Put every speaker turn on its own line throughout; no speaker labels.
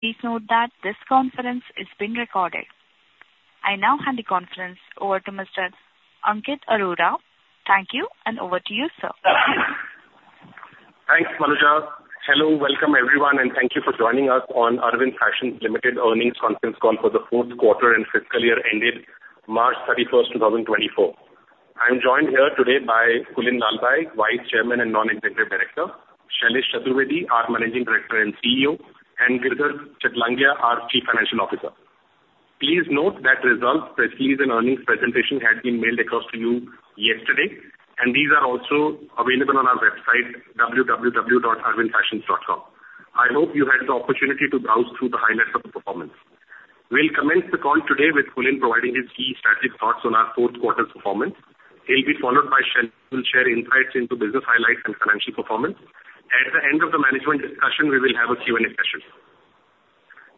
Please note that this conference is being recorded. I now hand the conference over to Mr. Ankit Arora. Thank you, and over to you, sir.
Thanks, Manisha. Hello. Welcome, everyone, and thank you for joining us on Arvind Fashions Limited earnings conference call for the fourth quarter and fiscal year ended March 31, 2024. I'm joined here today by Kulin Lalbhai, Vice Chairman and Non-Executive Director, Shailesh Chaturvedi, our Managing Director and CEO, and Girdhar Chitlangia, our Chief Financial Officer. Please note that results, press release, and earnings presentation has been mailed across to you yesterday, and these are also available on our website, www.arvindfashions.com. I hope you had the opportunity to browse through the highlights of the performance. We'll commence the call today with Kulin providing his key strategic thoughts on our fourth quarter's performance. He'll be followed by Shailesh, who will share insights into business highlights and financial performance. At the end of the management discussion, we will have a Q&A session.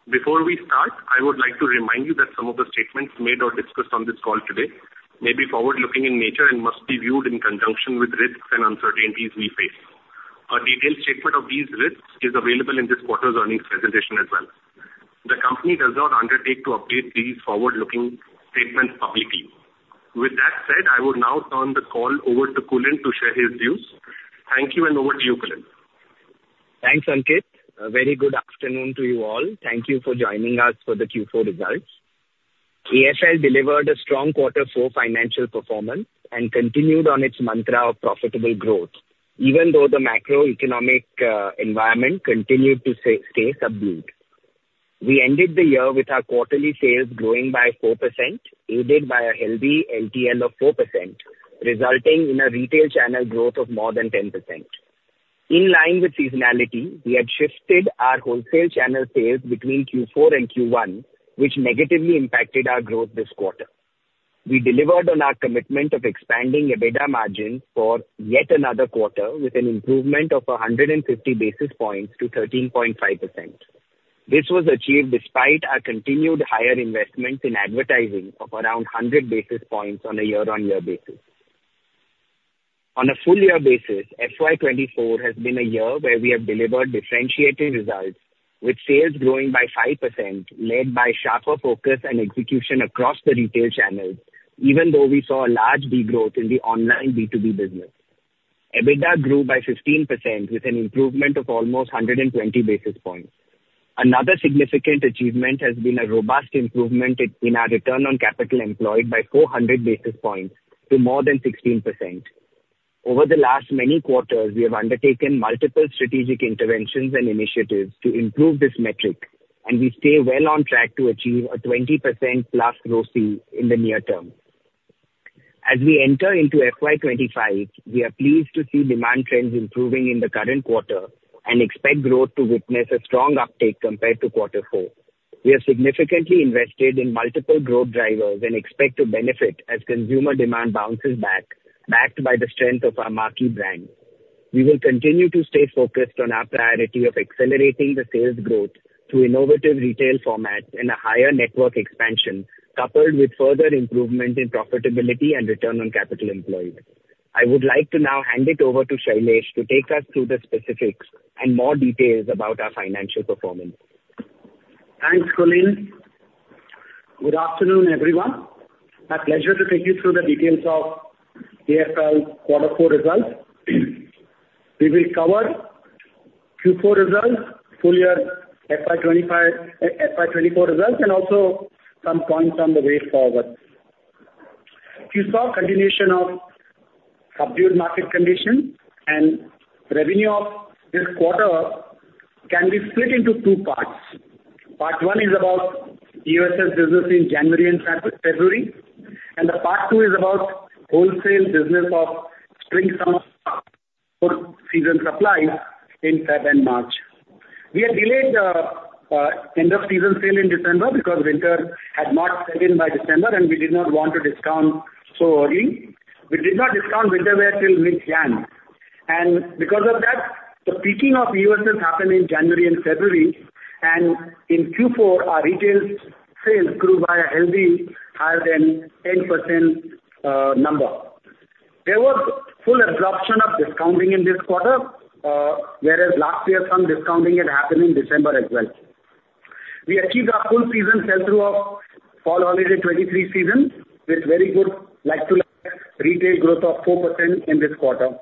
Before we start, I would like to remind you that some of the statements made or discussed on this call today may be forward-looking in nature and must be viewed in conjunction with risks and uncertainties we face. A detailed statement of these risks is available in this quarter's earnings presentation as well. The company does not undertake to update these forward-looking statements publicly. With that said, I will now turn the call over to Kulin to share his views. Thank you, and over to you, Kulin.
Thanks, Ankit. A very good afternoon to you all. Thank you for joining us for the Q4 results. AFL delivered a strong quarter four financial performance and continued on its mantra of profitable growth, even though the macroeconomic environment continued to stay subdued. We ended the year with our quarterly sales growing by 4%, aided by a healthy LTL of 4%, resulting in a retail channel growth of more than 10%. In line with seasonality, we had shifted our wholesale channel sales between Q4 and Q1, which negatively impacted our growth this quarter. We delivered on our commitment of expanding EBITDA margin for yet another quarter, with an improvement of 150 basis points to 13.5%. This was achieved despite our continued higher investments in advertising of around 100 basis points on a year-on-year basis. On a full year basis, FY 2024 has been a year where we have delivered differentiated results, with sales growing by 5%, led by sharper focus and execution across the retail channels, even though we saw a large degrowth in the online B2B business. EBITDA grew by 15%, with an improvement of almost 120 basis points. Another significant achievement has been a robust improvement in our return on capital employed by 400 basis points to more than 16%. Over the last many quarters, we have undertaken multiple strategic interventions and initiatives to improve this metric, and we stay well on track to achieve a 20% plus ROCE in the near term. As we enter into FY 2025, we are pleased to see demand trends improving in the current quarter and expect growth to witness a strong uptake compared to quarter four. We have significantly invested in multiple growth drivers and expect to benefit as consumer demand bounces back, backed by the strength of our marquee brand. We will continue to stay focused on our priority of accelerating the sales growth through innovative retail formats and a higher network expansion, coupled with further improvement in profitability and return on capital employed. I would like to now hand it over to Shailesh to take us through the specifics and more details about our financial performance.
Thanks, Kulin. Good afternoon, everyone. A pleasure to take you through the details of AFL's Quarter four results. We will cover Q4 results, full year FY 2025... FY 2024 results, and also some points on the way forward. Q4 continuation of subdued market condition and revenue of this quarter can be split into two parts. Part one is about U.S.'s business in January and February, and part two is about wholesale business of spring summer season supplies in February and March. We had delayed end of season sale in December because winter had not set in by December, and we did not want to discount so early. We did not discount winter wear till mid-January, and because of that, the peaking of U.S.'s happened in January and February, and in Q4, our retail sales grew by a healthy higher than 10% number. There was full absorption of discounting in this quarter, whereas last year, some discounting had happened in December as well. We achieved our full season sell-through of fall holiday 2023 season, with very good like-to-like retail growth of 4% in this quarter.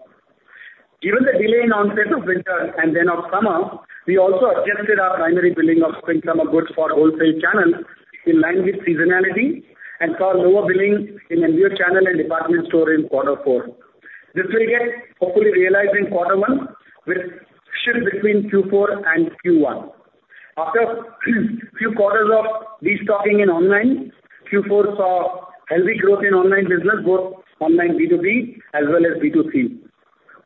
Given the delay in onset of winter and then of summer, we also adjusted our primary billing of spring, summer goods for wholesale channel in line with seasonality and saw lower billing in Indian channel and department store in quarter four. This will get hopefully realized in quarter one, with shift between Q4 and Q1. After a few quarters of destocking in online, Q4 saw healthy growth in online business, both online B2B as well as B2C.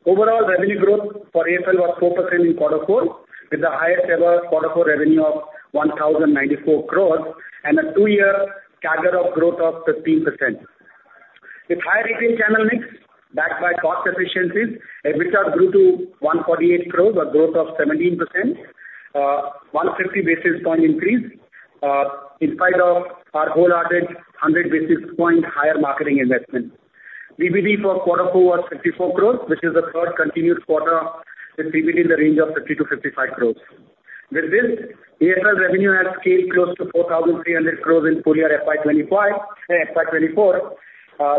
Overall, revenue growth for AFL was 4% in quarter four, with the highest ever quarter four revenue of 1,094 crore and a two-year CAGR of growth of 13%. With higher retail channel mix, backed by cost efficiencies, EBITDA grew to 148 crore, a growth of 17%, 150 basis point increase, in spite of our wholehearted 100 basis point higher marketing investment. PBD for quarter four was 54 crore, which is the third continuous quarter in PBD in the range of 50-55 crore. With this, AFL revenue has scaled close to 4,300 crore in full year FY 2025, FY 2024,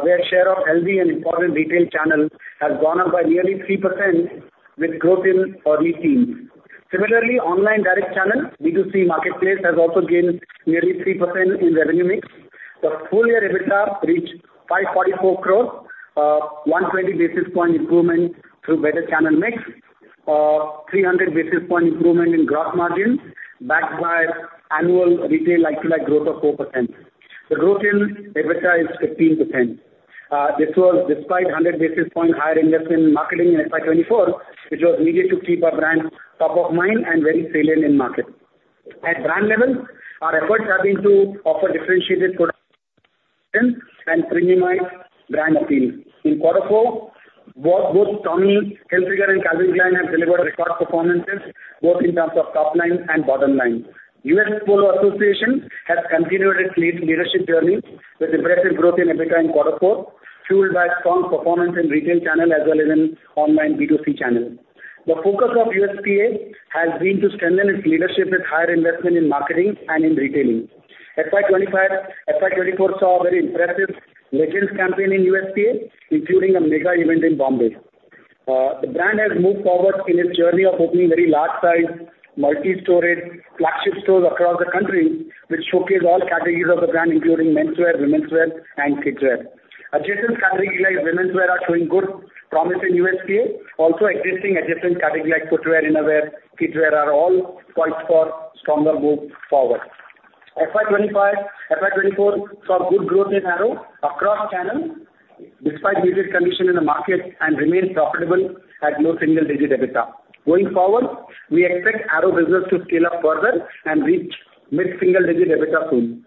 where share of healthy and important retail channel has gone up by nearly 3% with growth in early teens. Similarly, online direct channel, B2C marketplace, has also gained nearly 3% in revenue mix. The full year EBITDA reached 544 crore, 120 basis point improvement through better channel mix, 300 basis point improvement in gross margins, backed by annual retail like-to-like growth of 4%. The growth in EBITDA is 15%. This was despite 100 basis point higher investment in marketing in FY 2024, which was needed to keep our brand top of mind and very salient in market. At brand level, our efforts have been to offer differentiated and premiumize brand appeal. In quarter four, both Tommy Hilfiger and Calvin Klein have delivered record performances, both in terms of top line and bottom line. US Polo Association has continued its lead leadership journey with impressive growth in EBITDA in quarter four, fueled by strong performance in retail channel as well as in online B2C channel. The focus of USPA has been to strengthen its leadership with higher investment in marketing and in retailing. FY 2025-- FY 2024 saw a very impressive Legends campaign in USPA, including a mega event in Mumbai. The brand has moved forward in its journey of opening very large size, multi-storey, flagship stores across the country, which showcase all categories of the brand, including menswear, womenswear, and kidswear. Adjacent category like womenswear are showing good promise in USPA. Also, existing adjacent category like footwear, innerwear, kidswear are all poised for stronger growth forward. FY 2025-- FY 2024 saw good growth in Arrow across channels, despite difficult condition in the market and remains profitable at low single-digit EBITDA. Going forward, we expect Arrow business to scale up further and reach mid-single-digit EBITDA soon.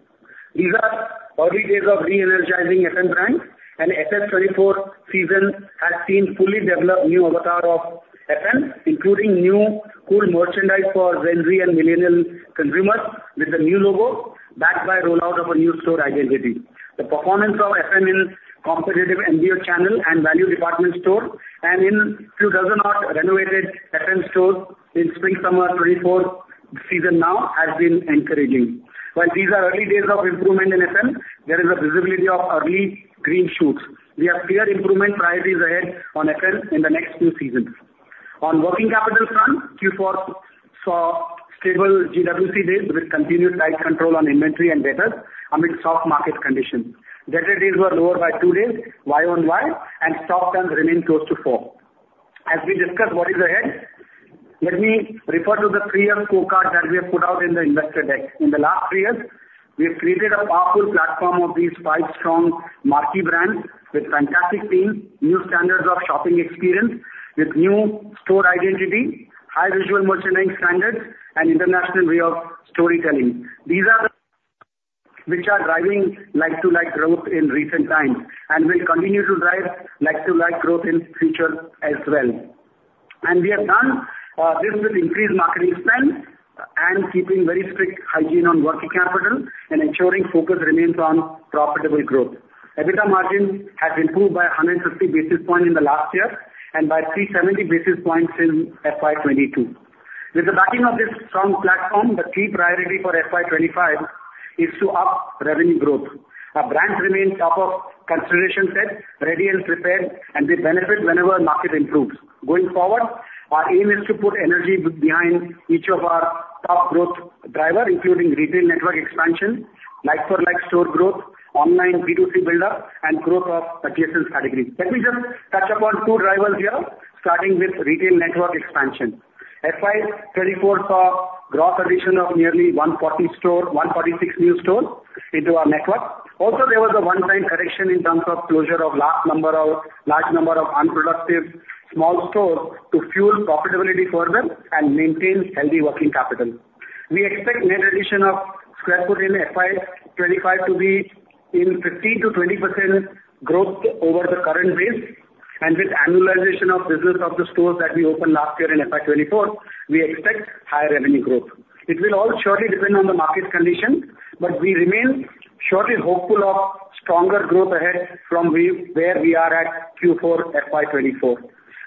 These are early days of re-energizing FM brands, and FM 2024 season has seen fully developed new avatar of FM, including new cool merchandise for Gen Z and millennial consumers, with a new logo backed by rollout of a new store identity. The performance of FM in competitive MBO channel and value department store, and in 2024-odd renovated FM stores in spring/summer 2024 season now has been encouraging. While these are early days of improvement in FM, there is a visibility of early green shoots. We have clear improvement priorities ahead on FM in the next two seasons. On working capital front, Q4 saw stable GWC days with continuous tight control on inventory and debtors amid soft market conditions. Debtor days were lower by two days Y-on-Y, and stock turns remain close to four. As we discuss what is ahead, let me refer to the three-year scorecard that we have put out in the investor deck. In the last three years, we have created a powerful platform of these five strong marquee brands with fantastic teams, new standards of shopping experience, with new store identity, high visual merchandising standards, and international way of storytelling. These are the which are driving like-to-like growth in recent times and will continue to drive like-to-like growth in future as well. And we have done this with increased marketing spend and keeping very strict hygiene on working capital and ensuring focus remains on profitable growth. EBITDA margin has improved by 150 basis points in the last year and by 370 basis points in FY 2022. With the backing of this strong platform, the key priority for FY 2025 is to up revenue growth. Our brands remain top of consideration set, ready and prepared, and we benefit whenever market improves. Going forward, our aim is to put energy behind each of our top growth driver, including retail network expansion, like-for-like store growth, online B2C buildup, and growth of adjacent categories. Let me just touch upon two drivers here, starting with retail network expansion. FY 2024 saw gross addition of nearly 140 stores, 146 new stores into our network. Also, there was a one-time correction in terms of closure of large number of, large number of unproductive small stores to fuel profitability further and maintain healthy working capital. We expect net addition of sq ft in FY 2025 to be in 15%-20% growth over the current base, and with annualization of business of the stores that we opened last year in FY 2024, we expect higher revenue growth. It will all surely depend on the market condition, but we remain surely hopeful of stronger growth ahead from where we are at Q4 FY 2024.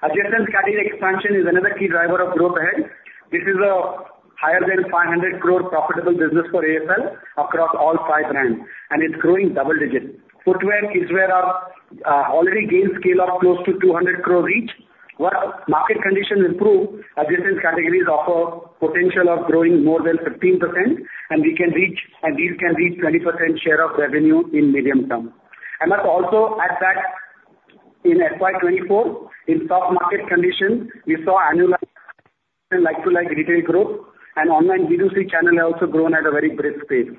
Adjacent category expansion is another key driver of growth ahead. This is a higher than 500 crore profitable business for AFL across all five brands, and it's growing double digits. Footwear is where our already gained scale of close to 200 crore each. Once market conditions improve, adjacent categories offer potential of growing more than 15%, and these can reach 20% share of revenue in medium term. I've also added that in FY 2024, in soft market conditions, we saw annual like-to-like retail growth and online B2C channel has also grown at a very brisk pace.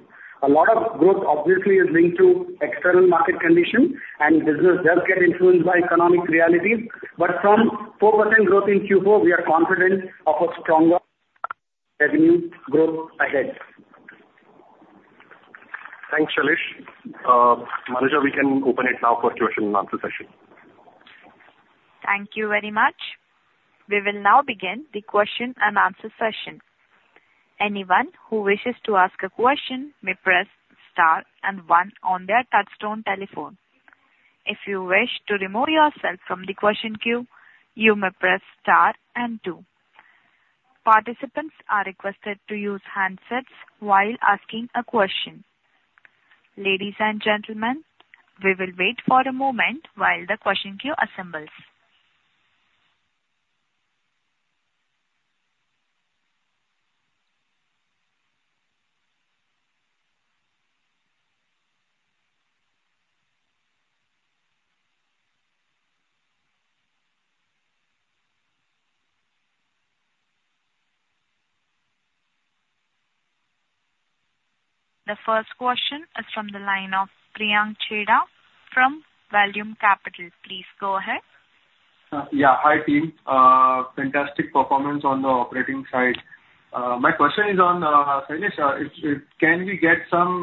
A lot of growth obviously is linked to external market conditions, and business does get influenced by economic realities. But from 4% growth in Q4, we are confident of a stronger revenue growth ahead.
Thanks, Shailesh. Manisha, we can open it now for question and answer session.
Thank you very much. We will now begin the question and answer session. Anyone who wishes to ask a question may press star and one on their touchtone telephone. If you wish to remove yourself from the question queue, you may press star and two. Participants are requested to use handsets while asking a question. Ladies and gentlemen, we will wait for a moment while the question queue assembles. The first question is from the line of Priyank Chheda from Vallum Capital. Please go ahead.
Yeah, hi, team. Fantastic performance on the operating side. My question is on finish. Can we get some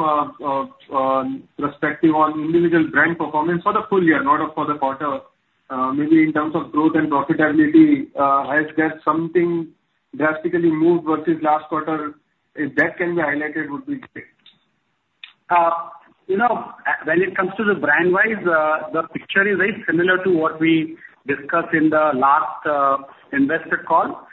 perspective on individual brand performance for the full year, not for the quarter, maybe in terms of growth and profitability? Has there something drastically moved versus last quarter? If that can be highlighted, would be great.
You know, when it comes to the brand wise, the picture is very similar to what we discussed in the last investor call.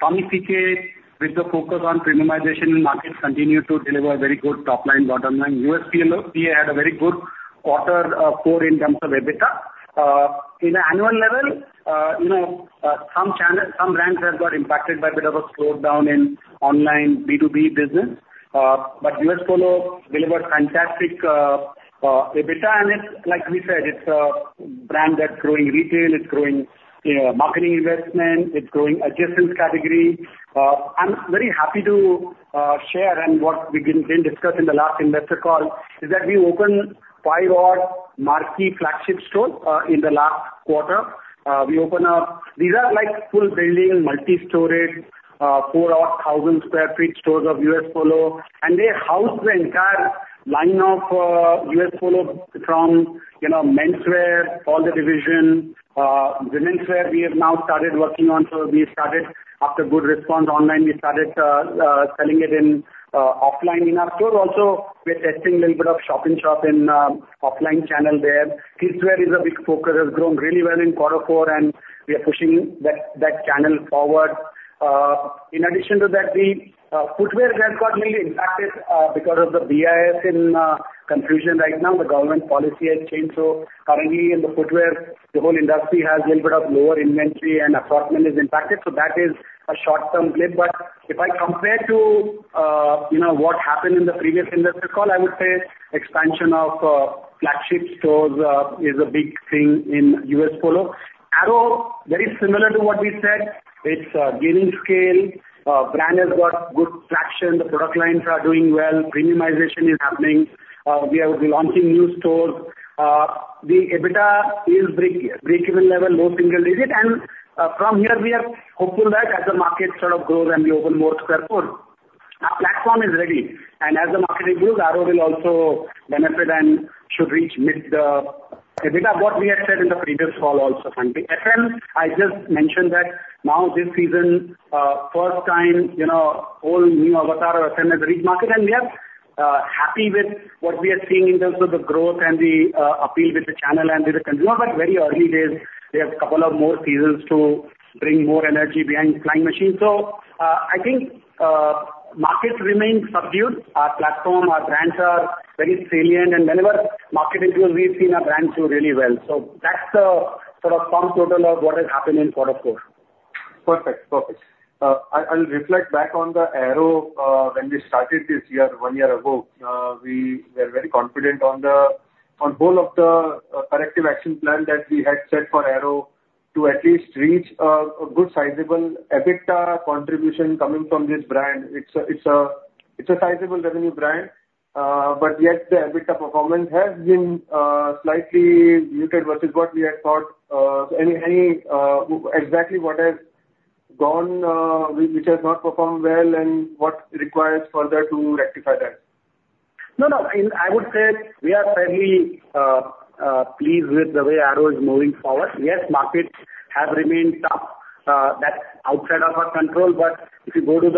Tommy, CK, with the focus on premiumization in markets, continued to deliver very good top line, bottom line. U.S. Polo Assn. had a very good quarter, core in terms of EBITDA. In an annual level, you know, some channel, some brands have got impacted by a bit of a slowdown in online B2B business. But U.S. Polo Assn. delivered fantastic EBITDA, and it's like we said, it's a brand that's growing retail, it's growing marketing investment, it's growing adjacent category. I'm very happy to share and what we didn't discuss in the last investor call is that we opened five odd marquee flagship stores in the last quarter. We opened up... These are like full building, multi-storage, 4,000-odd sq ft stores of US Polo, and they house the entire line of U.S. Polo from, you know, menswear, all the division, womenswear we have now started working on. So we started, after good response online, we started, selling it in offline in our stores. Also, we are testing a little bit of shop and shop in offline channel there. Kids wear is a big focus, has grown really well in quarter four, and we are pushing that, that channel forward. In addition to that, the footwear has got mainly impacted because of the BIS in confusion right now. The government policy has changed, so currently in the footwear, the whole industry has a little bit of lower inventory and assortment is impacted, so that is a short-term blip. But if I compare to, you know, what happened in the previous investor call, I would say expansion of, flagship stores, is a big thing in US Polo. Arrow, very similar to what we said, it's, gaining scale. Brand has got good traction, the product lines are doing well, premiumization is happening. We are launching new stores. The EBITDA is break, break-even level, low single digit. And, from here we are hopeful that as the market sort of grows and we open more square foot, our platform is ready. As the market improves, Arrow will also benefit and should reach mid-teens EBITDA, what we had said in the previous call also. FM, I just mentioned that now this season, first time, you know, whole new avatar of FM has reached market, and we are happy with what we are seeing in terms of the growth and the appeal with the channel and with the consumer. But very early days, we have a couple of more seasons to bring more energy behind Flying Machine. So, I think, markets remain subdued. Our platform, our brands are very salient, and whenever market improves, we've seen our brands do really well. So that's the sort of sum total of what has happened in quarter four.
Perfect. Perfect. I'll reflect back on the Arrow when we started this year, one year ago. We were very confident on the goal of the corrective action plan that we had set for Arrow to at least reach a good sizable EBITDA contribution coming from this brand. It's a sizable revenue brand, but yet the EBITDA performance has been slightly muted versus what we had thought. Anyway, exactly what has gone wrong, which has not performed well and what requires further to rectify that?
No, no, I, I would say we are fairly pleased with the way Arrow is moving forward. Yes, markets have remained tough. That's outside of our control. But if you go to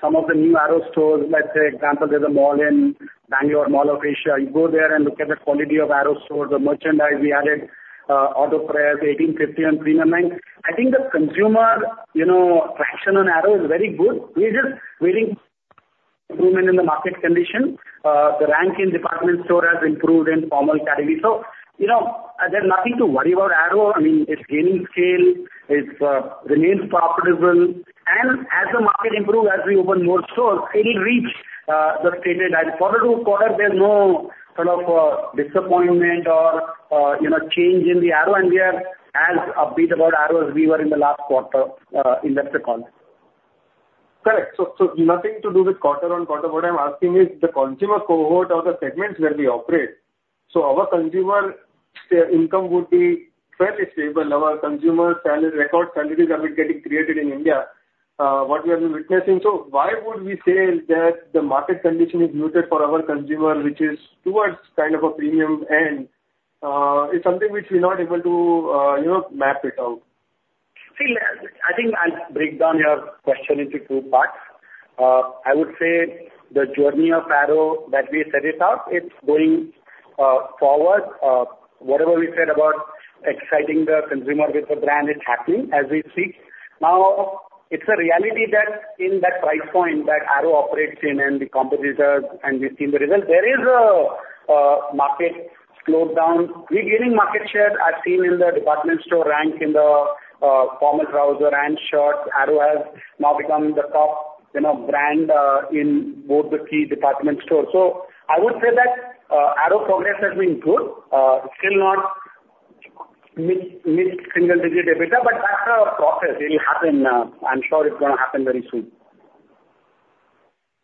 some of the new Arrow stores, let's say example, there's a mall in Bengaluru, Phoenix Mall of Asia. You go there and look at the quality of Arrow stores, the merchandise we added, Autopress 1851 and premium line. I think the consumer, you know, traction on Arrow is very good. We're just waiting improvement in the market condition. The large department stores have improved in formal category. So, you know, there's nothing to worry about Arrow. I mean, it's gaining scale, it's remains profitable, and as the market improve, as we open more stores, it'll reach the stated. Quarter to quarter, there's no sort of disappointment or, you know, change in the Arrow, and we are as upbeat about Arrow as we were in the last quarter investor call.
Correct. So nothing to do with quarter-on-quarter. What I'm asking is the consumer cohort or the segments where we operate, so our consumer, their income would be fairly stable. Our consumer salary, record salaries are getting created in India, what we have been witnessing. So why would we say that the market condition is muted for our consumer, which is towards kind of a premium end? It's something which we're not able to, you know, map it out.
See, I think I'll break down your question into two parts. I would say the journey of Arrow that we set it up, it's going, forward. Whatever we said about exciting the consumer with the brand, it's happening, as we see. Now, it's a reality that in that price point that Arrow operates in, and the competitors, and we've seen the results, there is a market slowdown. We're gaining market share as seen in the department store rank in the formal trouser and shorts. Arrow has now become the top, you know, brand, in both the key department stores. So I would say that, Arrow progress has been good. Still not mid-single digit EBITDA, but that's a process. It'll happen, I'm sure it's gonna happen very soon.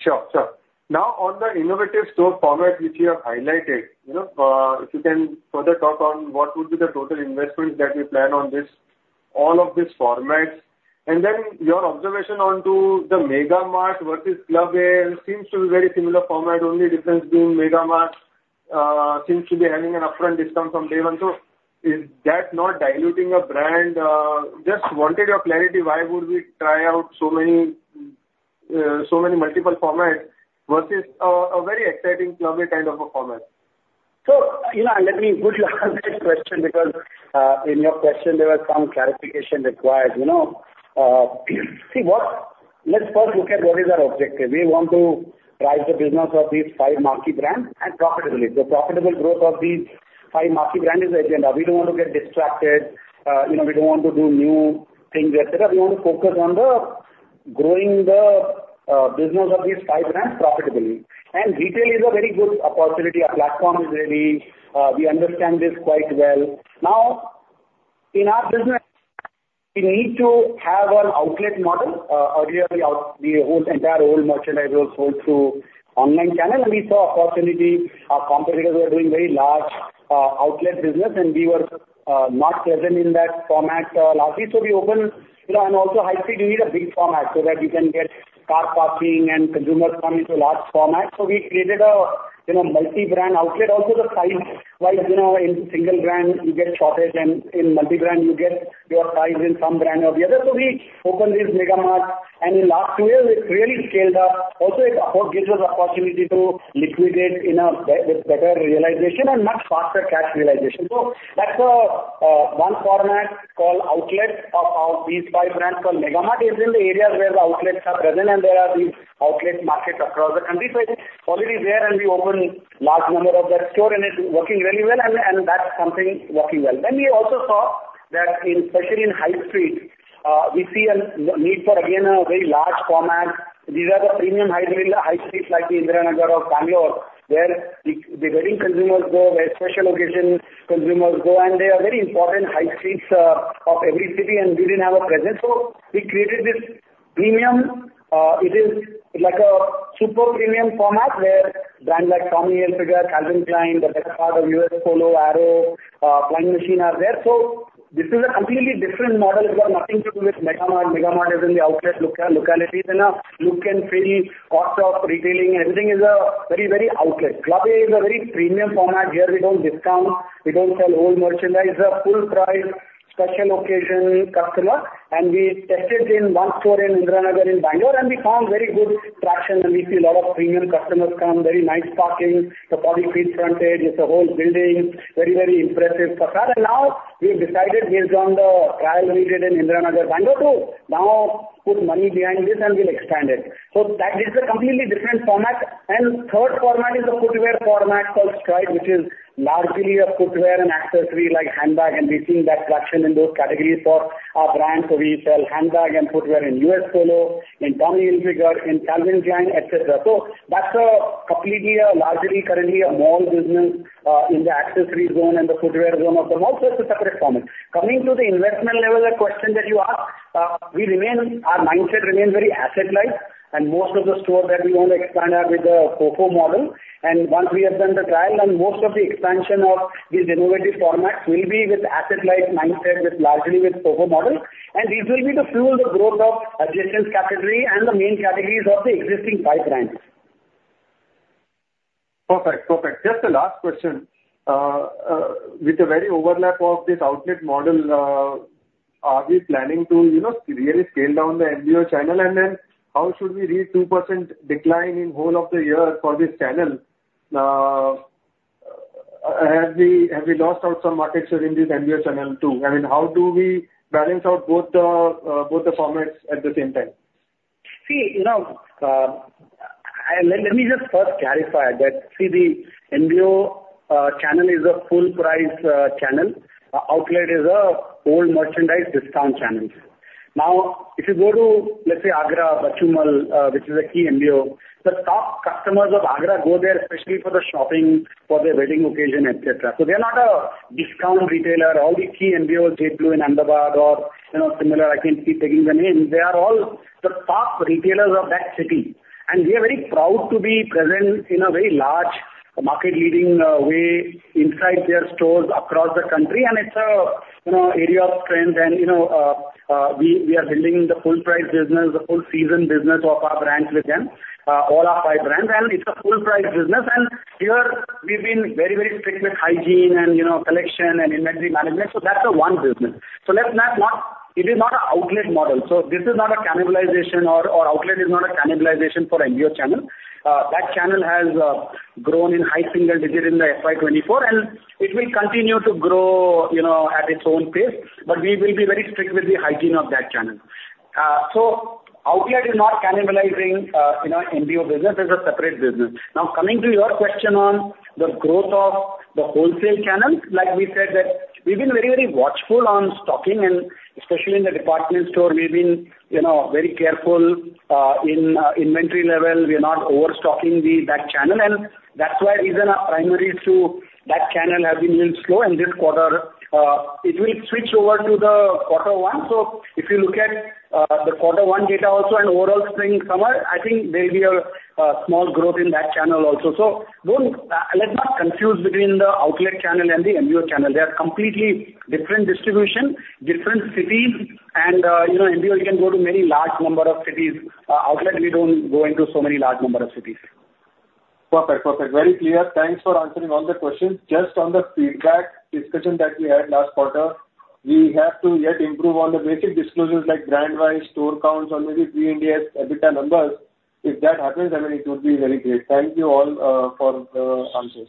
Sure, sure. Now, on the innovative store format, which you have highlighted, you know, if you can further talk on what would be the total investment that we plan on this, all of these formats? And then your observation on to the Megamart versus Club A, seems to be very similar format, only difference being Megamart, seems to be having an upfront discount from day one. So is that not diluting a brand? Just wanted your clarity, why would we try out so many, so many multiple formats versus a, a very exciting Club 20 kind of a format?
So, you know, let me put your question, because, in your question, there was some clarification required, you know. See, let's first look at what is our objective. We want to drive the business of these five marquee brands, and profitably. The profitable growth of these five marquee brands is agenda. We don't want to get distracted, you know, we don't want to do new things, et cetera. We want to focus on the growing the, business of these five brands profitably. Retail is a very good opportunity. Our platform is ready. We understand this quite well. Now, in our business, we need to have an outlet model. Earlier, we hold entire old merchandise was sold through online channel, and we saw opportunity. Our competitors were doing very large outlet business, and we were not present in that format largely. So we You know, and also high street, you need a big format, so that you can get car parking and consumers come into large format. So we created a you know, multi-brand outlet. Also, the size, like, you know, in single brand, you get shortage, and in multi-brand, you get your size in some brand or the other. So we opened this Megamart, and in last two years, it's really scaled up. Also, it gives us opportunity to liquidate with better realization and much faster cash realization. So that's one format called Outlet of these five brands. So Megamart is in the areas where the outlets are present and there are these outlet markets across the country. So it's already there, and we opened large number of that store, and it's working really well, and, and that's something working well. Then we also saw that in, especially in high street, we see an, need for, again, a very large format. These are the premium high street, like Indiranagar or Bengaluru, where the, wedding consumers go, where special occasion consumers go, and they are very important high streets, of every city, and we didn't have a presence. So we created this premium, it is like a super premium format, where brands like Tommy Hilfiger, Calvin Klein, the best part of U.S. Polo, Arrow, Flying Machine are there. So this is a completely different model. It's got nothing to do with Megamart. Megamart is in the outlet localities, and, you can fairly cost of retailing, everything is a very, very outlet. Club A is a very premium format. Here, we don't discount, we don't sell old merchandise. It's a full price, special occasion customer, and we tested in one store in Indiranagar, in Bengaluru, and we found very good traction, and we see a lot of premium customers come, very nice parking, the high street frontage, it's a whole building, very, very impressive facade. And now, we've decided, based on the trial we did in Indiranagar, Bengaluru, to now put money behind this, and we'll expand it. So that is a completely different format. And third format is a footwear format called Stride, which is largely a footwear and accessory like handbag, and we've seen that traction in those categories for our brands. So we sell handbag and footwear in U.S. Polo, in Tommy Hilfiger, in Calvin Klein, et cetera. So that's a completely, largely currently a mall business, in the accessories zone and the footwear zone of the mall, so it's a separate format. Coming to the investment level, the question that you asked, we remain, our mindset remains very asset-light, and most of the stores that we want to expand are with the FOFO model. And once we have done the trial, then most of the expansion of these innovative formats will be with asset-light mindset, with largely with FOFO model. And this will be to fuel the growth of adjacent category and the main categories of the existing five brands.
Perfect. Perfect. Just a last question. With the very overlap of this outlet model, are we planning to, you know, really scale down the MBO channel? And then how should we read 2% decline in whole of the year for this channel? Have we, have we lost out some market share in this MBO channel, too? I mean, how do we balance out both the, both the formats at the same time?
See, you know, let me just first clarify that, see, the MBO channel is a full price channel. Outlet is an old merchandise discount channel. Now, if you go to, let's say, Agra, Bachoomal, which is a key MBO, the top customers of Agra go there especially for the shopping, for their wedding occasion, et cetera. So they are not a discount retailer. All the key MBO, JadeBlue in Ahmedabad or, you know, similar, I can keep taking the names, they are all the top retailers of that city, and we are very proud to be present in a very large. A market leading way inside their stores across the country, and it's a, you know, area of strength and, you know, we are building the full price business, the full season business of our brands with them, all our five brands, and it's a full price business. And here we've been very, very strict with hygiene and, you know, collection and inventory management, so that's the one business. So let's not. It is not an outlet model, so this is not a cannibalization or, outlet is not a cannibalization for MBO channel. That channel has grown in high single digits in the FY 2024, and it will continue to grow, you know, at its own pace. But we will be very strict with the hygiene of that channel. So outlet is not cannibalizing, you know, MBO business. This is a separate business. Now, coming to your question on the growth of the wholesale channel, like we said, that we've been very, very watchful on stocking, and especially in the department store, we've been, you know, very careful in inventory level. We are not overstocking the, that channel, and that's where reason our primaries to that channel has been a little slow. And this quarter, it will switch over to the quarter one. So if you look at the quarter one data also and overall spring, summer, I think there'll be a small growth in that channel also. So don't, let's not confuse between the outlet channel and the MBO channel. They are completely different distribution, different cities and, you know, MBO, you can go to many large number of cities. Outlet, we don't go into so many large number of cities.
Perfect. Perfect. Very clear. Thanks for answering all the questions. Just on the feedback discussion that we had last quarter, we have to yet improve on the basic disclosures, like brand-wise, store counts on maybe pre-India EBITDA numbers. If that happens, I mean, it would be very great. Thank you all, for the answers.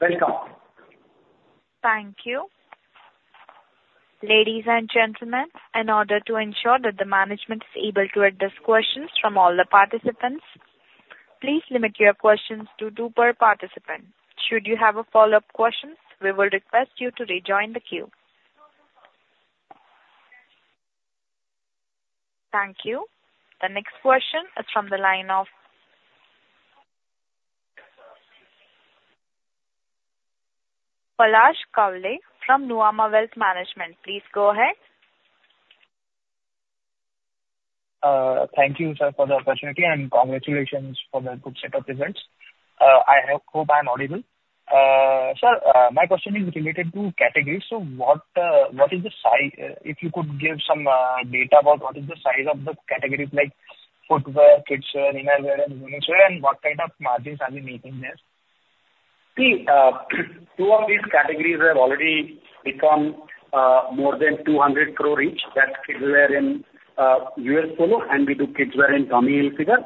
Welcome!
Thank you. Ladies and gentlemen, in order to ensure that the management is able to address questions from all the participants, please limit your questions to two per participant. Should you have a follow-up question, we will request you to rejoin the queue. Thank you. The next question is from the line of Palash Kawale from Nuvama Wealth Management. Please go ahead.
Thank you, sir, for the opportunity, and congratulations for the good set of results. I hope I'm audible. Sir, my question is related to categories. So, if you could give some data about what is the size of the categories, like footwear, kidswear, innerwear, and womenswear, and what kind of margins are you making there?
See, two of these categories have already become more than 200 crore reach. That's kidswear in US Polo, and we do kidswear in Tommy Hilfiger.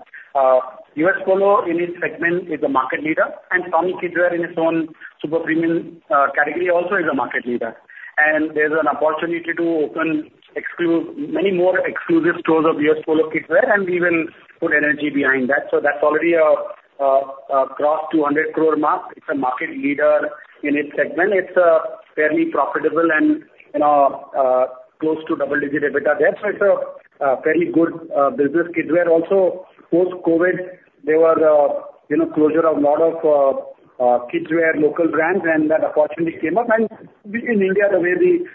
US Polo, in its segment, is a market leader, and Tommy kidswear in its own super premium category, also is a market leader. And there's an opportunity to open many more exclusive stores of US Polo kidswear, and we will put energy behind that. So that's already crossed 200 crore mark. It's a market leader in its segment. It's fairly profitable and, you know, close to double-digit EBITDA there. So it's a very good business. Kidswear also, post-COVID, there was, you know, closure of lot of kidswear local brands, and that opportunity came up, and we, in India, the way we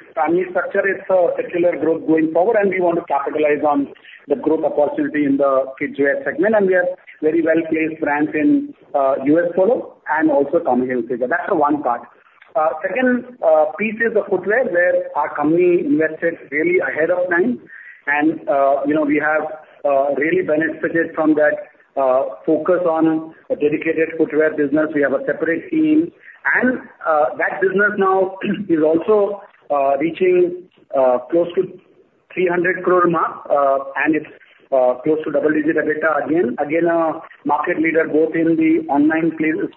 structure it, so secular growth going forward, and we want to capitalize on the growth opportunity in the kidswear segment. We are very well-placed brand in U.S. Polo and also Tommy Hilfiger. That's the one part. Second, piece is the footwear, where our company invested really ahead of time, and, you know, we have really benefited from that focus on a dedicated footwear business. We have a separate team, and that business now is also reaching close to 300 crore mark, and it's close to double-digit EBITDA again. Again, a market leader, both in the online places.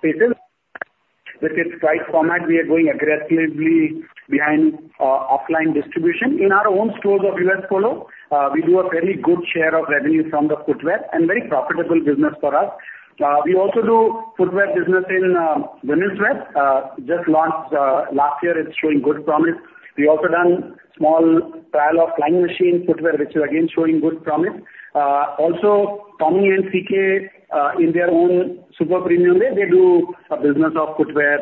With its price format, we are going aggressively behind offline distribution. In our own stores of U.S. Polo, we do a very good share of revenue from the footwear and very profitable business for us. We also do footwear business in womenswear. Just launched last year. It's showing good promise. We've also done small trial of Flying Machine footwear, which is again showing good promise. Also, Tommy and CK, in their own super premium way, they do a business of footwear,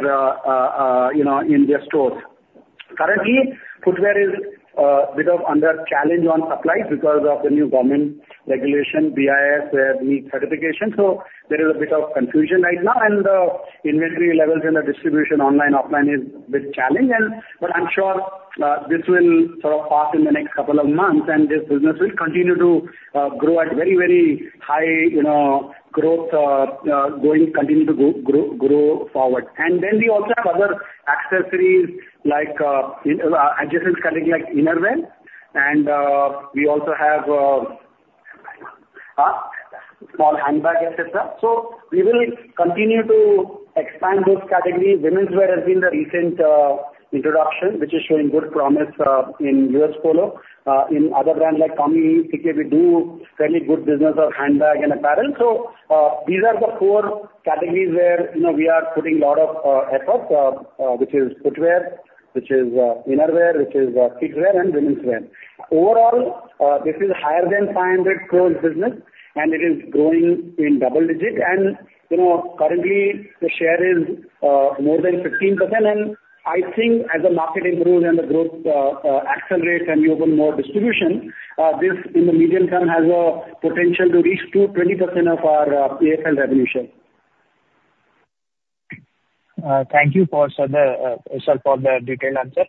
you know, in their stores. Currently, footwear is bit of under challenge on supplies because of the new government regulation, BIS, where we need certification. So there is a bit of confusion right now, and the inventory levels and the distribution online, offline is a big challenge. But I'm sure, this will sort of pass in the next couple of months, and this business will continue to grow at very, very high, you know, growth going forward. And then we also have other accessories, like, you know, adjacent category, like innerwear, and we also have small handbag, et cetera. So we will continue to expand those categories. Womenswear has been the recent introduction, which is showing good promise in US Polo. In other brand, like Tommy, CK, we do fairly good business of handbag and apparel. So, these are the four categories where, you know, we are putting a lot of effort, which is footwear, which is innerwear, which is kidswear and womenswear. Overall, this is higher than 500 crore business, and it is growing in double-digit. You know, currently, the share is more than 15%, and I think as the market improves and the growth accelerates and we open more distribution, this, in the medium term, has a potential to reach to 20% of our AFL revenue.
Thank you, sir, for the detailed answer.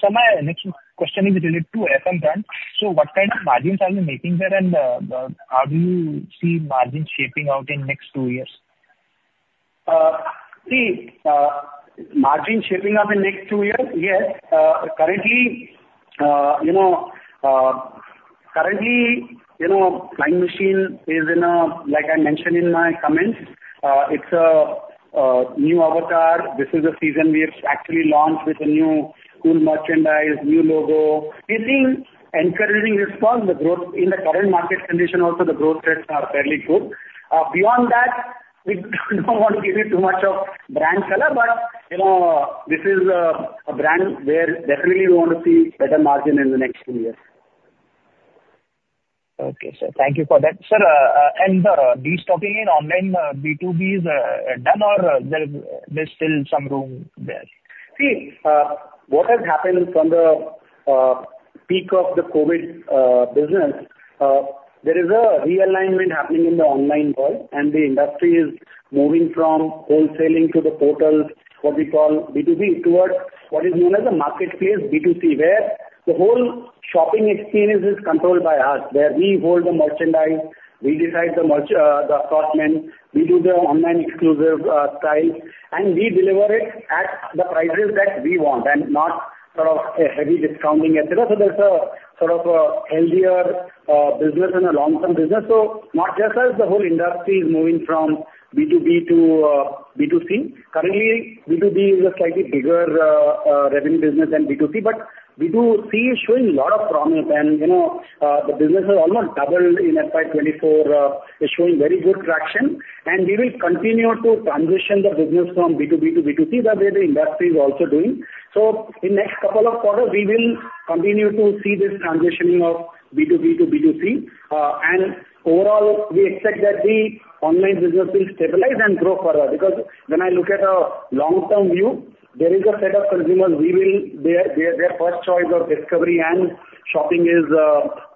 So my next question is related to FM brand. So what kind of margins are you making there, and how do you see margins shaping out in next two years?
See, margin shaping up in next two years? Yes. Currently, you know, currently, you know, Flying Machine is in a, like I mentioned in my comments, it's a, new avatar. This is a season we actually launched with a new cool merchandise, new logo. We've seen encouraging response. The growth in the current market condition, also the growth rates are fairly good. Beyond that, we don't want to give you too much of brand color, but, you know, this is a, a brand where definitely we want to see better margin in the next few years.
Okay, sir. Thank you for that. Sir, and the destocking in online B2B is done, or there's still some room there?
See, what has happened from the peak of the COVID business, there is a realignment happening in the online world, and the industry is moving from wholesaling to the portals, what we call B2B, towards what is known as a marketplace, B2C, where the whole shopping experience is controlled by us, where we hold the merchandise, we decide the merch, the assortment, we do the online exclusive styles, and we deliver it at the prices that we want and not sort of a heavy discounting et cetera. So there's a sort of a healthier business and a long-term business. So not just us, the whole industry is moving from B2B to B2C. Currently, B2B is a slightly bigger revenue business than B2C, but B2C is showing a lot of promise. You know, the business has almost doubled in FY 2024. It's showing very good traction, and we will continue to transition the business from B2B to B2C, the way the industry is also doing. So in next couple of quarters, we will continue to see this transitioning of B2B to B2C. And overall, we expect that the online business will stabilize and grow further because when I look at a long-term view, there is a set of consumers whose first choice of discovery and shopping is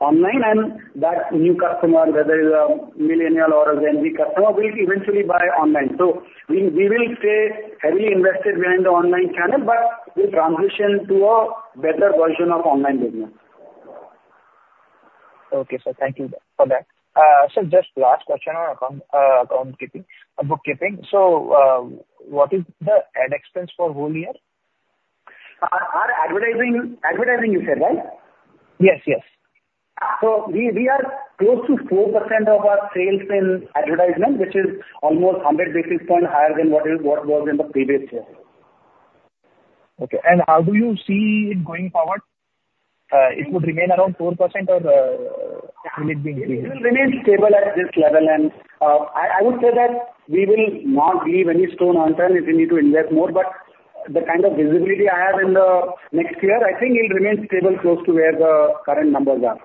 online, and that new customer, whether is a millennial or a Gen Z customer, will eventually buy online. So we will stay heavily invested behind the online channel, but we transition to a better version of online business.
Okay, sir, thank you for that. So just last question on account, account keeping, bookkeeping. So, what is the ad expense for whole year?
Our advertising you said, right?
Yes, yes.
So we are close to 4% of our sales in advertisement, which is almost 100 basis points higher than what was in the previous year.
Okay. And how do you see it going forward? It would remain around 4%, or, will it be increased?
It will remain stable at this level. And, I, I would say that we will not leave any stone unturned if we need to invest more, but the kind of visibility I have in the next year, I think it will remain stable, close to where the current numbers are.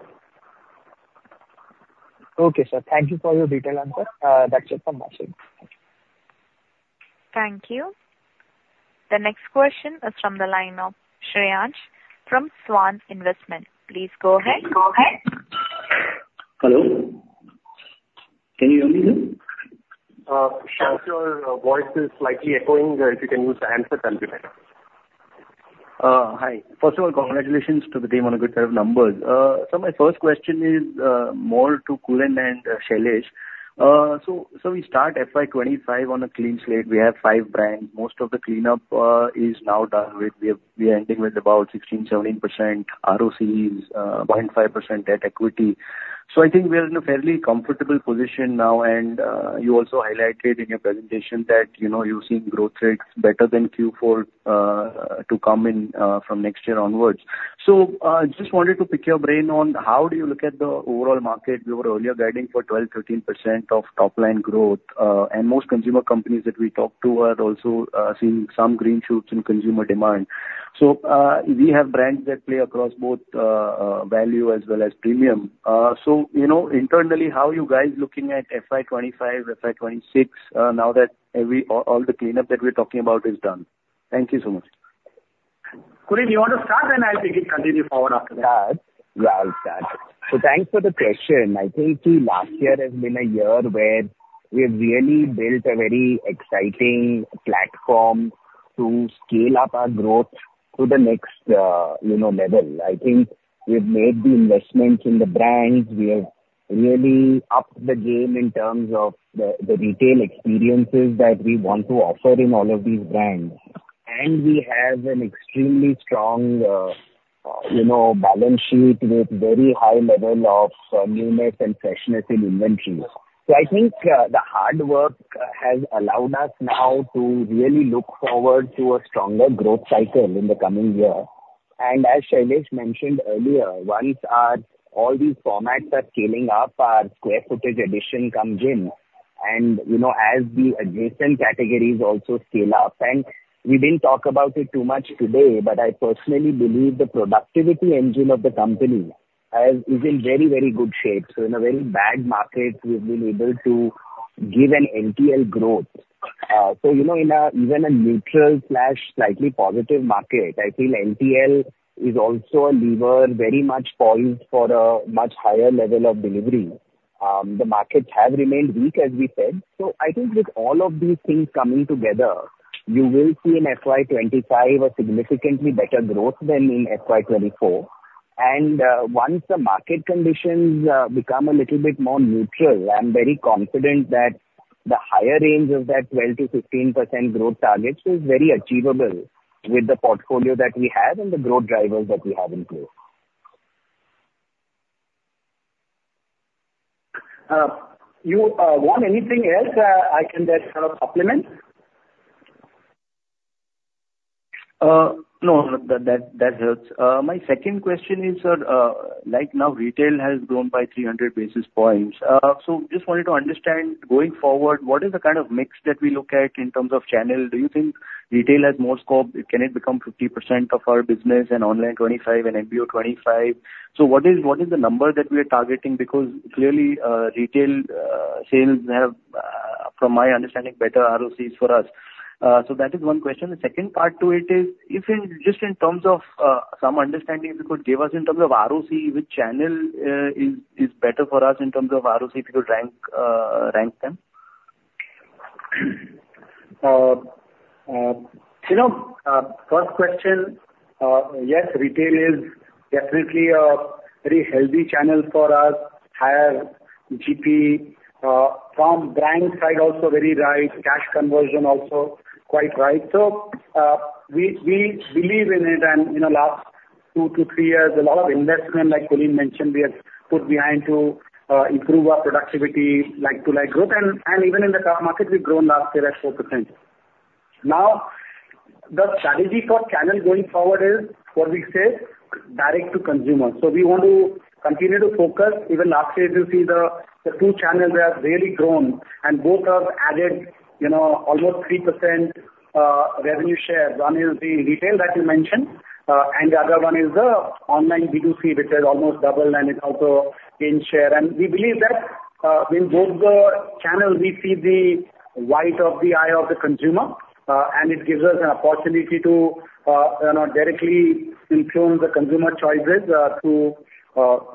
Okay, sir. Thank you for your detailed answer. That's it from my side.
Thank you. The next question is from the line of Shreyans from Swan Investments. Please go ahead.
Hello, can you hear me now?
Shreyan, your voice is slightly echoing. If you can use the handset that'll be better.
Hi. First of all, congratulations to the team on a good set of numbers. So my first question is more to Kulin and Shailesh. So we start FY 2025 on a clean slate. We have five brands. Most of the cleanup is now done with. We are ending with about 16%-17% ROCE, 0.5% at equity. So I think we are in a fairly comfortable position now, and you also highlighted in your presentation that, you know, you're seeing growth rates better than Q4 to come in from next year onwards. So just wanted to pick your brain on how do you look at the overall market? You were earlier guiding for 12%-13% of top line growth, and most consumer companies that we talked to are also seeing some green shoots in consumer demand. So, we have brands that play across both value as well as premium. So, you know, internally, how are you guys looking at FY 2025, FY 2026, now that every, all the cleanup that we're talking about is done? Thank you so much.
Kulin, you want to start, and I'll maybe continue forward after that?
Yeah, I'll start. So thanks for the question. I think the last year has been a year where we've really built a very exciting platform to scale up our growth to the next, you know, level. I think we've made the investments in the brands. We have really upped the game in terms of the retail experiences that we want to offer in all of these brands. And we have an extremely strong, you know, balance sheet with very high level of newness and freshness in inventory. So I think the hard work has allowed us now to really look forward to a stronger growth cycle in the coming year. And as Shailesh mentioned earlier, once our all these formats are scaling up, our square footage addition comes in, and, you know, as the adjacent categories also scale up, and we didn't talk about it too much today, but I personally believe the productivity engine of the company is in very, very good shape. So in a very bad market, we've been able to give an LTL growth. So, you know, in a even a neutral/slightly positive market, I feel LTL is also a lever very much poised for a much higher level of delivery. The markets have remained weak, as we said. So I think with all of these things coming together, you will see in FY 2025 a significantly better growth than in FY 2024. Once the market conditions become a little bit more neutral, I'm very confident that the higher range of that 12%-15% growth targets is very achievable with the portfolio that we have and the growth drivers that we have in place. You want anything else, I can just, kind of, supplement?
No, no, that helps. My second question is, sir, like now retail has grown by 300 basis points. So just wanted to understand, going forward, what is the kind of mix that we look at in terms of channel? Do you think retail has more scope? Can it become 50% of our business and online 25 and MBO 25? So what is, what is the number that we are targeting? Because clearly, retail sales have, from my understanding, better ROCE for us. So that is one question. The second part to it is, just in terms of, some understanding you could give us in terms of ROCE, which channel is better for us in terms of ROCE, if you could rank them?
You know, first question, yes, retail is definitely a very healthy channel for us. Higher GP from brand side, also very right, cash conversion also quite right. So, we believe in it, and, you know, last two to three years, a lot of investment, like Kulin mentioned, we have put behind to improve our productivity, like-to-like growth. And even in the core market, we've grown last year at 4%. Now, the strategy for channel going forward is what we say, direct to consumer. So we want to continue to focus. Even last year, you see the two channels have really grown, and both have added, you know, almost 3% revenue share. One is the retail that you mentioned, and the other one is the online B2C, which has almost doubled, and it also gained share. We believe that, in both the channels, we see the white of the eye of the consumer, and it gives us an opportunity to, you know, directly influence the consumer choices, through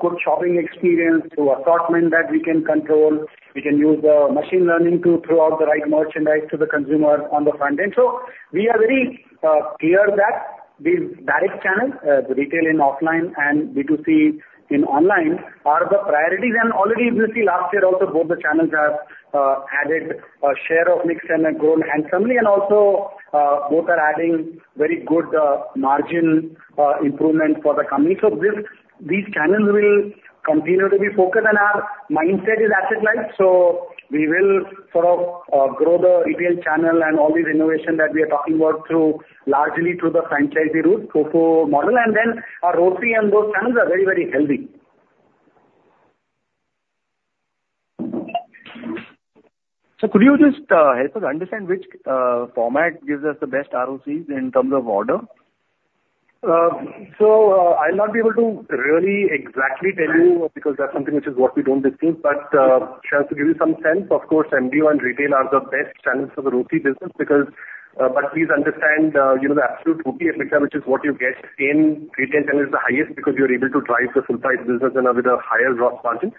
good shopping experience, through assortment that we can control. We can use the machine learning to throw out the right merchandise to the consumer on the front end. So we are very clear that these direct channels, the retail and offline and B2C in online, are the priorities. And already you will see last year also, both the channels have added a share of mix and have grown handsomely. And also, both are adding very good margin improvement for the company. So these channels will continue to be focused, and our mindset is asset light, so we will sort of grow the retail channel and all the innovation that we are talking about largely through the franchisee route, FOFO model. And then our ROCE and those channels are very, very healthy.
Could you just help us understand which format gives us the best ROCE in terms of order?
So, I'll not be able to really exactly tell you, because that's something which is what we don't disclose. But, just to give you some sense, of course, MBO and retail are the best channels for the ROCE business because... But please understand, you know, the absolute ROCE effect, which is what you get in retail channel, is the highest, because you're able to drive the full-price business and with a higher gross margin.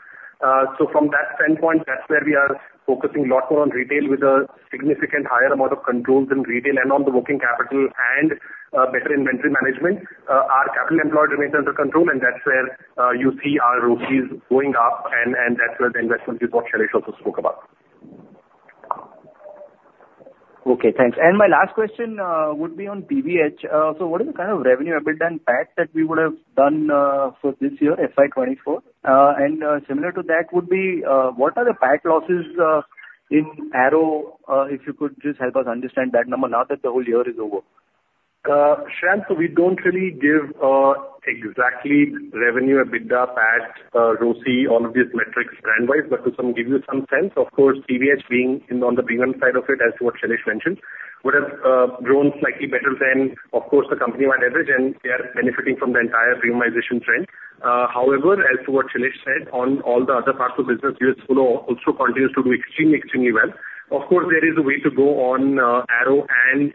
So from that standpoint, that's where we are focusing a lot more on retail with a significant higher amount of controls in retail and on the working capital and, better inventory management. Our capital employed remains under control, and that's where you see our ROCEs going up, and that's where the investment is, what Shailesh also spoke about.
Okay, thanks. And my last question would be on PVH. So what is the kind of revenue, EBITDA and PAT that we would have done for this year, FY 2024? And similar to that would be what are the PAT losses in Arrow? If you could just help us understand that number now that the whole year is over.
Shant, so we don't really give exactly revenue, EBITDA, PAT, ROC, all of these metrics brand-wise, but to give you some sense, of course, PVH being in on the premium side of it, as to what Shailesh mentioned, would have grown slightly better than, of course, the company-wide average, and they are benefiting from the entire premiumization trend. However, as to what Shailesh said, on all the other parts of business, U.S. Polo also continues to do extremely, extremely well. Of course, there is a way to go on Arrow and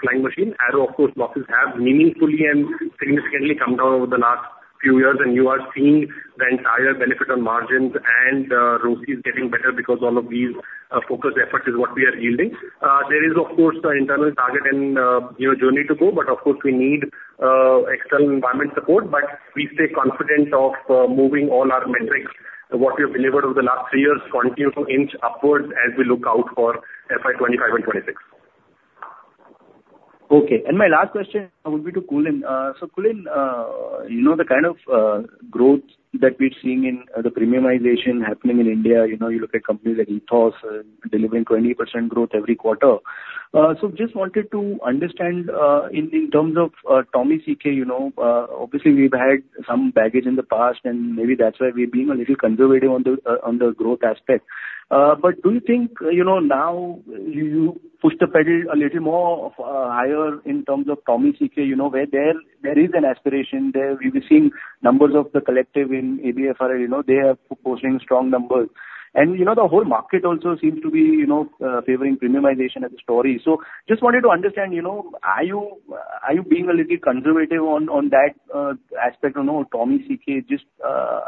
Flying Machine. Arrow, of course, losses have meaningfully and significantly come down over the last few years, and you are seeing the entire benefit on margins and ROCE is getting better because all of these focused effort is what we are yielding.
There is, of course, an internal target and, you know, journey to go, but of course, we need external environment support. But we stay confident of moving all our metrics, what we have delivered over the last three years, continue to inch upwards as we look out for FY 2025 and 2026.
Okay, and my last question would be to Kulin. So Kulin, you know, the kind of growth that we're seeing in the premiumization happening in India, you know, you look at companies like Ethos delivering 20% growth every quarter. So just wanted to understand, in terms of Tommy CK, you know, obviously, we've had some baggage in the past, and maybe that's why we're being a little conservative on the growth aspect. But do you think, you know, now you push the pedal a little more of higher in terms of Tommy CK? You know, where there is an aspiration there. We've been seeing numbers of The Collective in ABFRL, you know, they are posting strong numbers. And, you know, the whole market also seems to be, you know, favoring premiumization as a story. So just wanted to understand, you know, are you, are you being a little conservative on, on that aspect on Tommy CK, just,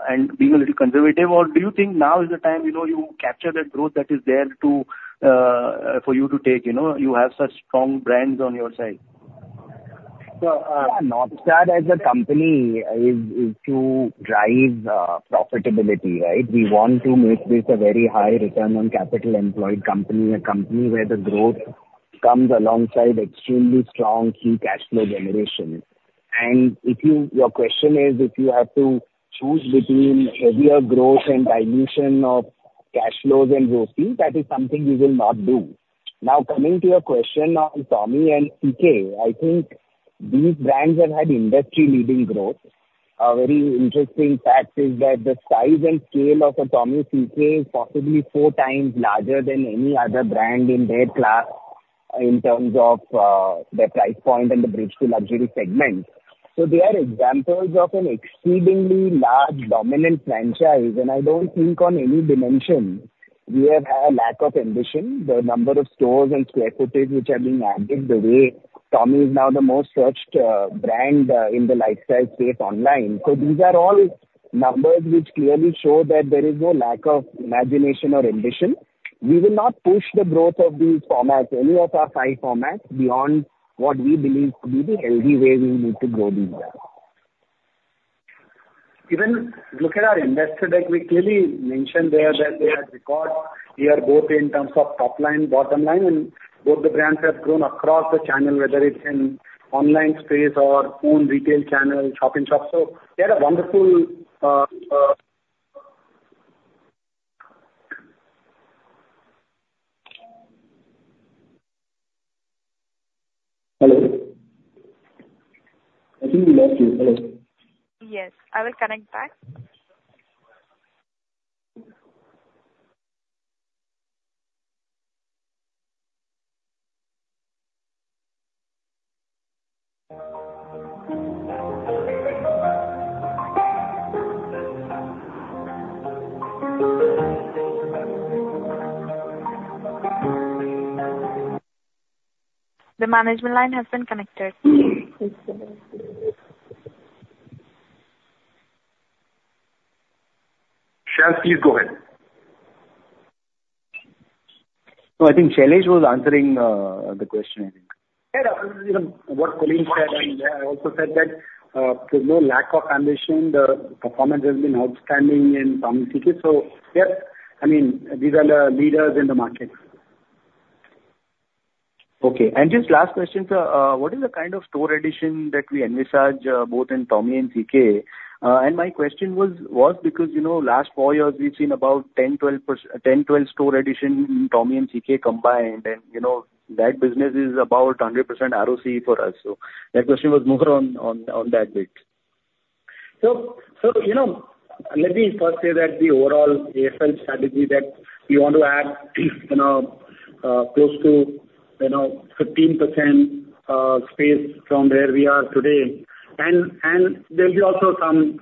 and being a little conservative? Or do you think now is the time, you know, you capture that growth that is there to, for you to take, you know? You have such strong brands on your side.
So, Northstar as a company is to drive profitability, right? We want to make this a very high return on capital employed company, a company where the growth comes alongside extremely strong key cash flow generation. And if your question is, if you have to choose between heavier growth and dilution of cash flows and growth, that is something we will not do. Now, coming to your question on Tommy and CK, I think these brands have had industry-leading growth. A very interesting fact is that the size and scale of a Tommy CK is possibly four times larger than any other brand in their class, in terms of the price point and the bridge to luxury segment. So they are examples of an exceedingly large, dominant franchise, and I don't think on any dimension we have had a lack of ambition. The number of stores and square footage which are being added, the way Tommy is now the most searched, brand, in the lifestyle space online. So these are all numbers which clearly show that there is no lack of imagination or ambition. We will not push the growth of these formats, any of our five formats, beyond what we believe to be the healthy way we need to grow these brands.
Even look at our investor deck, we clearly mentioned there that we had record year growth in terms of top line, bottom line, and both the brands have grown across the channel, whether it's in online space or own retail channel, shop in shop. So we had a wonderful.
Hello? I think we lost you. Hello.
Yes, I will connect back. The management line has been connected.
Shail, please go ahead.
No, I think Shailesh was answering the question, I think.
Yeah, you know, what Kulin said, and I also said that, there's no lack of ambition. The performance has been outstanding in Tommy CK, so yes, I mean, these are the leaders in the market.
Okay. And just last question, sir, what is the kind of store addition that we envisage, both in Tommy and CK? And my question was, was because, you know, last four years, we've seen about 10, 12 store addition in Tommy and CK combined, and, you know, that business is about 100% ROC for us. So that question was more on, on, on that bit.
So, you know, let me first say that the overall AFL strategy that we want to add, you know, close to 15%, you know, space from where we are today. And there'll be also some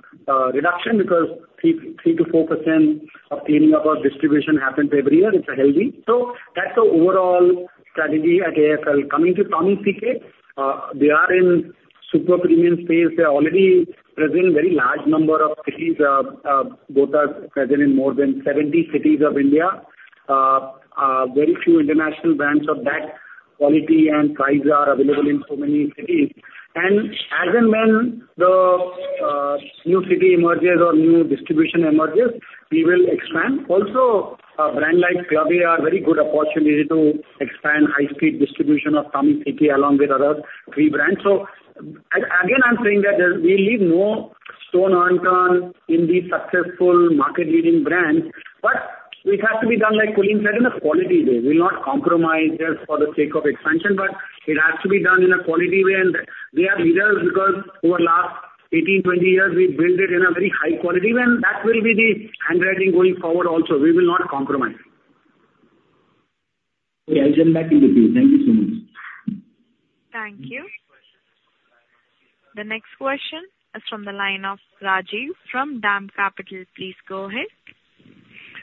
reduction because 3%-4% of cleaning up our distribution happens every year. It's healthy. So that's the overall strategy at AFL. Coming to Tommy CK, they are in super premium space. They're already present in very large number of cities, both are present in more than 70 cities of India. Very few international brands of that quality and price are available in so many cities. And as and when the new city emerges or new distribution emerges, we will expand. Also, a brand like Club A is a very good opportunity to expand high-street distribution of Tommy CK, along with other three brands. So again, I'm saying that there, we leave no stone unturned in the successful market-leading brands, but it has to be done, like Kulin said, in a quality way. We'll not compromise just for the sake of expansion, but it has to be done in a quality way, and we are leaders because over last 18, 20 years, we've built it in a very high quality, and that will be the handwriting going forward also. We will not compromise.
Okay. I'll send it back to you. Thank you so much.
Thank you. The next question is from the line of Rajiv from DAM Capital. Please go ahead.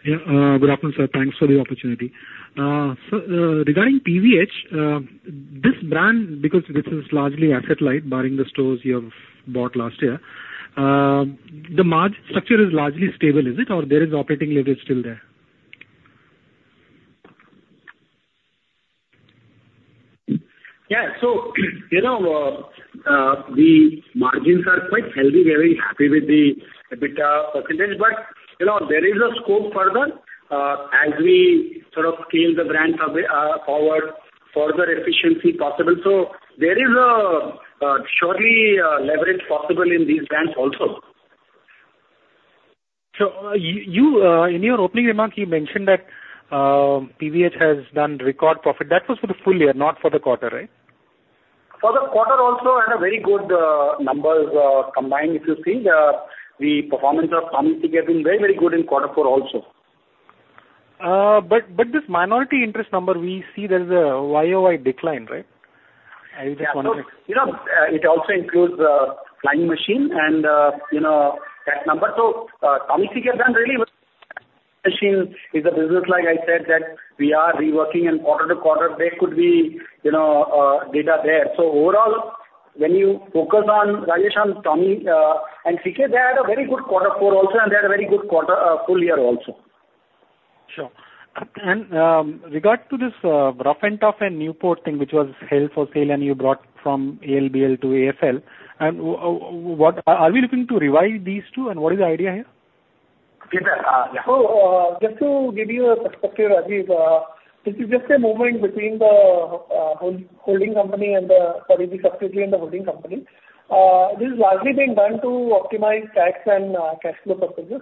Yeah, good afternoon, sir. Thanks for the opportunity. So, regarding PVH, this brand, because this is largely asset-light, barring the stores you have bought last year, the margin structure is largely stable, is it? Or there is operating leverage still there?
Yeah, so, you know, the margins are quite healthy. We're very happy with the EBITDA percentage, but, you know, there is a scope further, as we sort of scale the brand forward, further efficiency possible. So there is surely leverage possible in these brands also.
So you in your opening remark, you mentioned that PVH has done record profit. That was for the full year, not for the quarter, right?
For the quarter also, and a very good numbers combined, if you see, the performance of Tommy CK has been very, very good in quarter four also.
But this minority interest number, we see there is a YOY decline, right?
Yeah, so, you know, it also includes the Flying Machine, and, you know, that number. So, Tommy has done really well. Flying Machine is a business, like I said, that we are reworking and quarter to quarter there could be, you know, data there. So overall, when you focus on Arrow and Tommy, and CK, they had a very good quarter four also, and they had a very good quarter, full year also.
Sure. In regard to this, Ruff & Tuff and Newport thing, which was held for sale, and you brought from ABFRL to AFL, and what are we looking to revive these two, and what is the idea here?
Yeah. So, just to give you a perspective, Rajiv, this is just a movement between the holding company and the subsidiary and the holding company. Sorry, this is largely being done to optimize tax and cash flow purposes.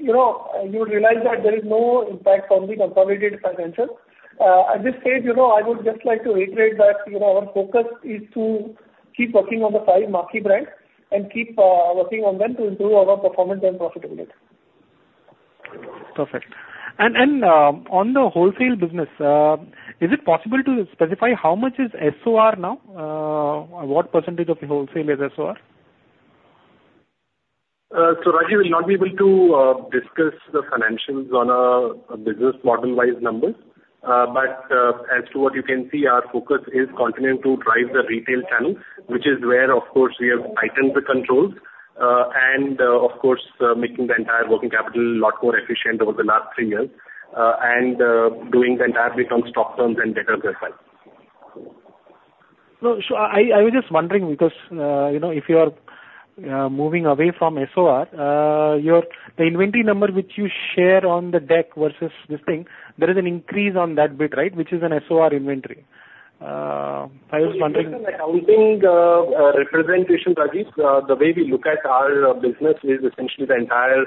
You know, you would realize that there is no impact on the consolidated financial. At this stage, you know, I would just like to reiterate that, you know, our focus is to keep working on the five marquee brands and keep working on them to improve our performance and profitability.
Perfect. On the wholesale business, is it possible to specify how much is SOR now? What percentage of the wholesale is SOR?
So, Rajiv, we will not be able to discuss the financials on a business model-wise numbers. But as to what you can see, our focus is continuing to drive the retail channel, which is where, of course, we have tightened the controls, and, of course, making the entire working capital a lot more efficient over the last three years, and doing the entire bit on stock terms and better profile.
No, so I was just wondering, because, you know, if you are moving away from SOR, the inventory number which you share on the deck versus this thing, there is an increase on that bit, right? Which is an SOR inventory. I was wondering.
Accounting representation, Rajiv, the way we look at our business is essentially the entire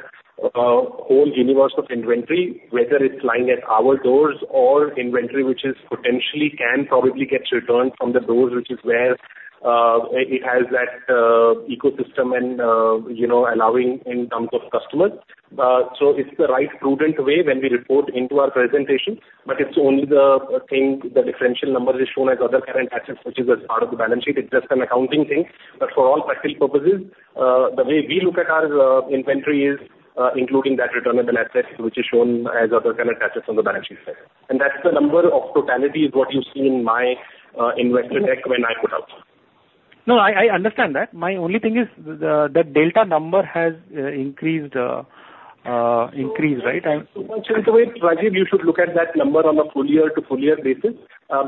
whole universe of inventory, whether it's lying at our doors or inventory, which is potentially can probably get returned from the doors, which is where it has that ecosystem and, you know, allowing in terms of customers. So it's the right prudent way when we report into our presentation, but it's only the thing, the differential number is shown as other current assets, which is a part of the balance sheet. It's just an accounting thing. But for all practical purposes, the way we look at our inventory is including that return on the asset, which is shown as other current assets on the balance sheet side.
That's the number of totalities, what you see in my investor deck when I put out.
No, I understand that. My only thing is that delta number has increased, right?
Rajiv, you should look at that number on a full year to full year basis,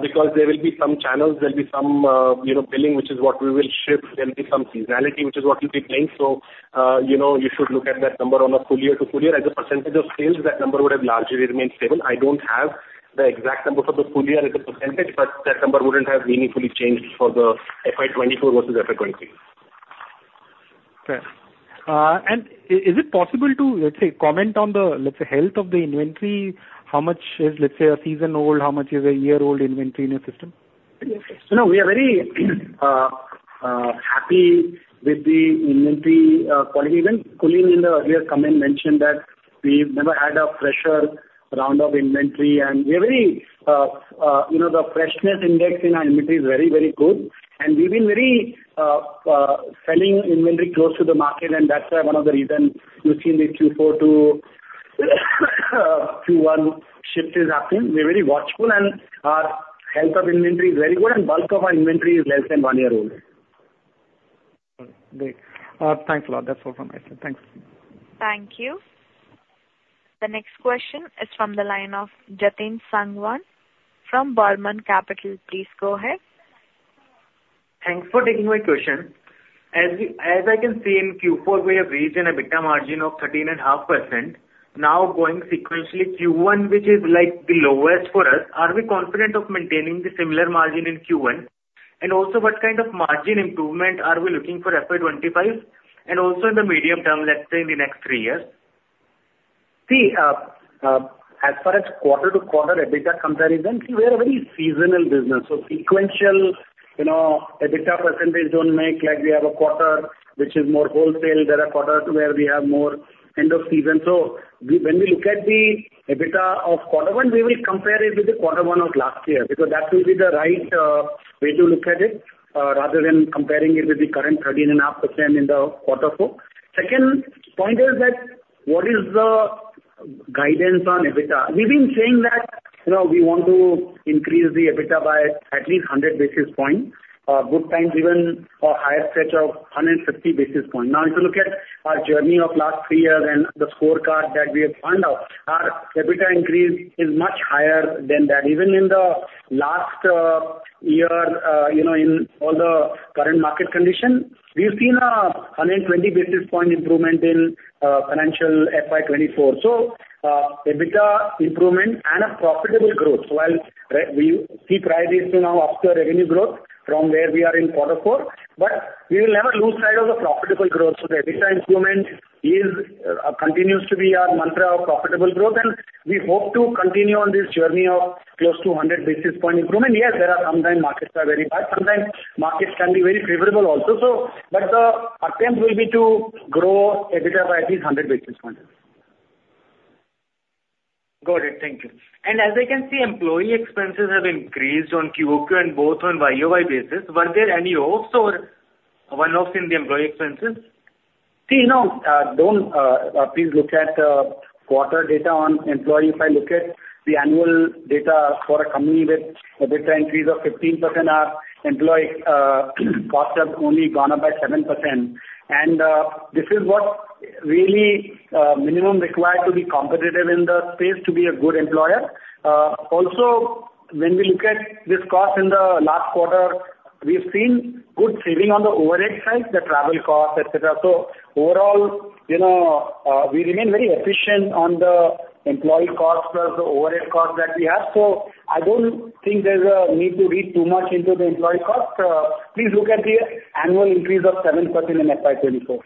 because there will be some channels, there'll be some, you know, billing, which is what we will ship. There will be some seasonality, which is what you see playing. You should look at that number on a full year to full year. As a percentage of sales, that number would have largely remained stable. I don't have the exact number for the full year as a percentage, but that number wouldn't have meaningfully changed for the FY 2024 versus FY 2023.
Fair. And is it possible to, let's say, comment on the, let's say, health of the inventory? How much is, let's say, a season old, how much is a year old inventory in your system?
So now we are very happy with the inventory quality. Even Kuldeep in the earlier comment mentioned that we've never had a fresher round of inventory, and we are very you know the freshness index in our inventory is very, very good, and we've been very selling inventory close to the market, and that's one of the reasons you've seen the Q4 to Q1 shift is happening. We're very watchful, and our health of inventory is very good, and bulk of our inventory is less than one year old.
Great. Thanks a lot. That's all from my side. Thanks.
Thank you. The next question is from the line of Jatin Sangwan from Burman Capital. Please go ahead.
Thanks for taking my question. As we, as I can see in Q4, we have reached an EBITDA margin of 13.5%. Now, going sequentially, Q1, which is, like, the lowest for us, are we confident of maintaining the similar margin in Q1? And also, what kind of margin improvement are we looking for FY 2025, and also in the medium term, let's say in the next three years?
See, as far as quarter-to-quarter EBITDA comparison, see, we are a very seasonal business, so sequential, you know, EBITDA percentage don't make like we have a quarter, which is more wholesale. There are quarters where we have more end of season. So when we look at the EBITDA of quarter one, we will compare it with the quarter one of last year, because that will be the right way to look at it, rather than comparing it with the current 13.5% in the quarter four. Second point is that, what is the guidance on EBITDA? We've been saying that, you know, we want to increase the EBITDA by at least 100 basis points, good times even a higher stretch of 150 basis points. Now, if you look at our journey of last three years and the scorecard that we have found out, our EBITDA increase is much higher than that. Even in the last year, you know, in all the current market conditions, we've seen a 120 basis point improvement in financial FY 2024. So, EBITDA improvement and a profitable growth. So while we keep priorities to now up the revenue growth from where we are in quarter four, but we will never lose sight of the profitable growth. So the EBITDA improvement continues to be our mantra of profitable growth, and we hope to continue on this journey of close to 100 basis point improvement. Yes, there are some time markets are very hard, sometimes markets can be very favorable also, so. The attempt will be to grow EBITDA by at least 100 basis points.
Got it. Thank you. As I can see, employee expenses have increased on both QOQ and YOY basis. Were there any hikes or one-offs in the employee expenses?
See, no, don't, please look at quarter data on employee. If I look at the annual data for a company with a data increase of 15%, our employee cost have only gone up by 7%. And this is what really minimum required to be competitive in the space to be a good employer. Also, when we look at this cost in the last quarter, we've seen good saving on the overhead side, the travel cost, et cetera. So overall, you know, we remain very efficient on the employee cost, plus the overhead cost that we have. So I don't think there's a need to read too much into the employee cost. Please look at the annual increase of 7% in FY 2024.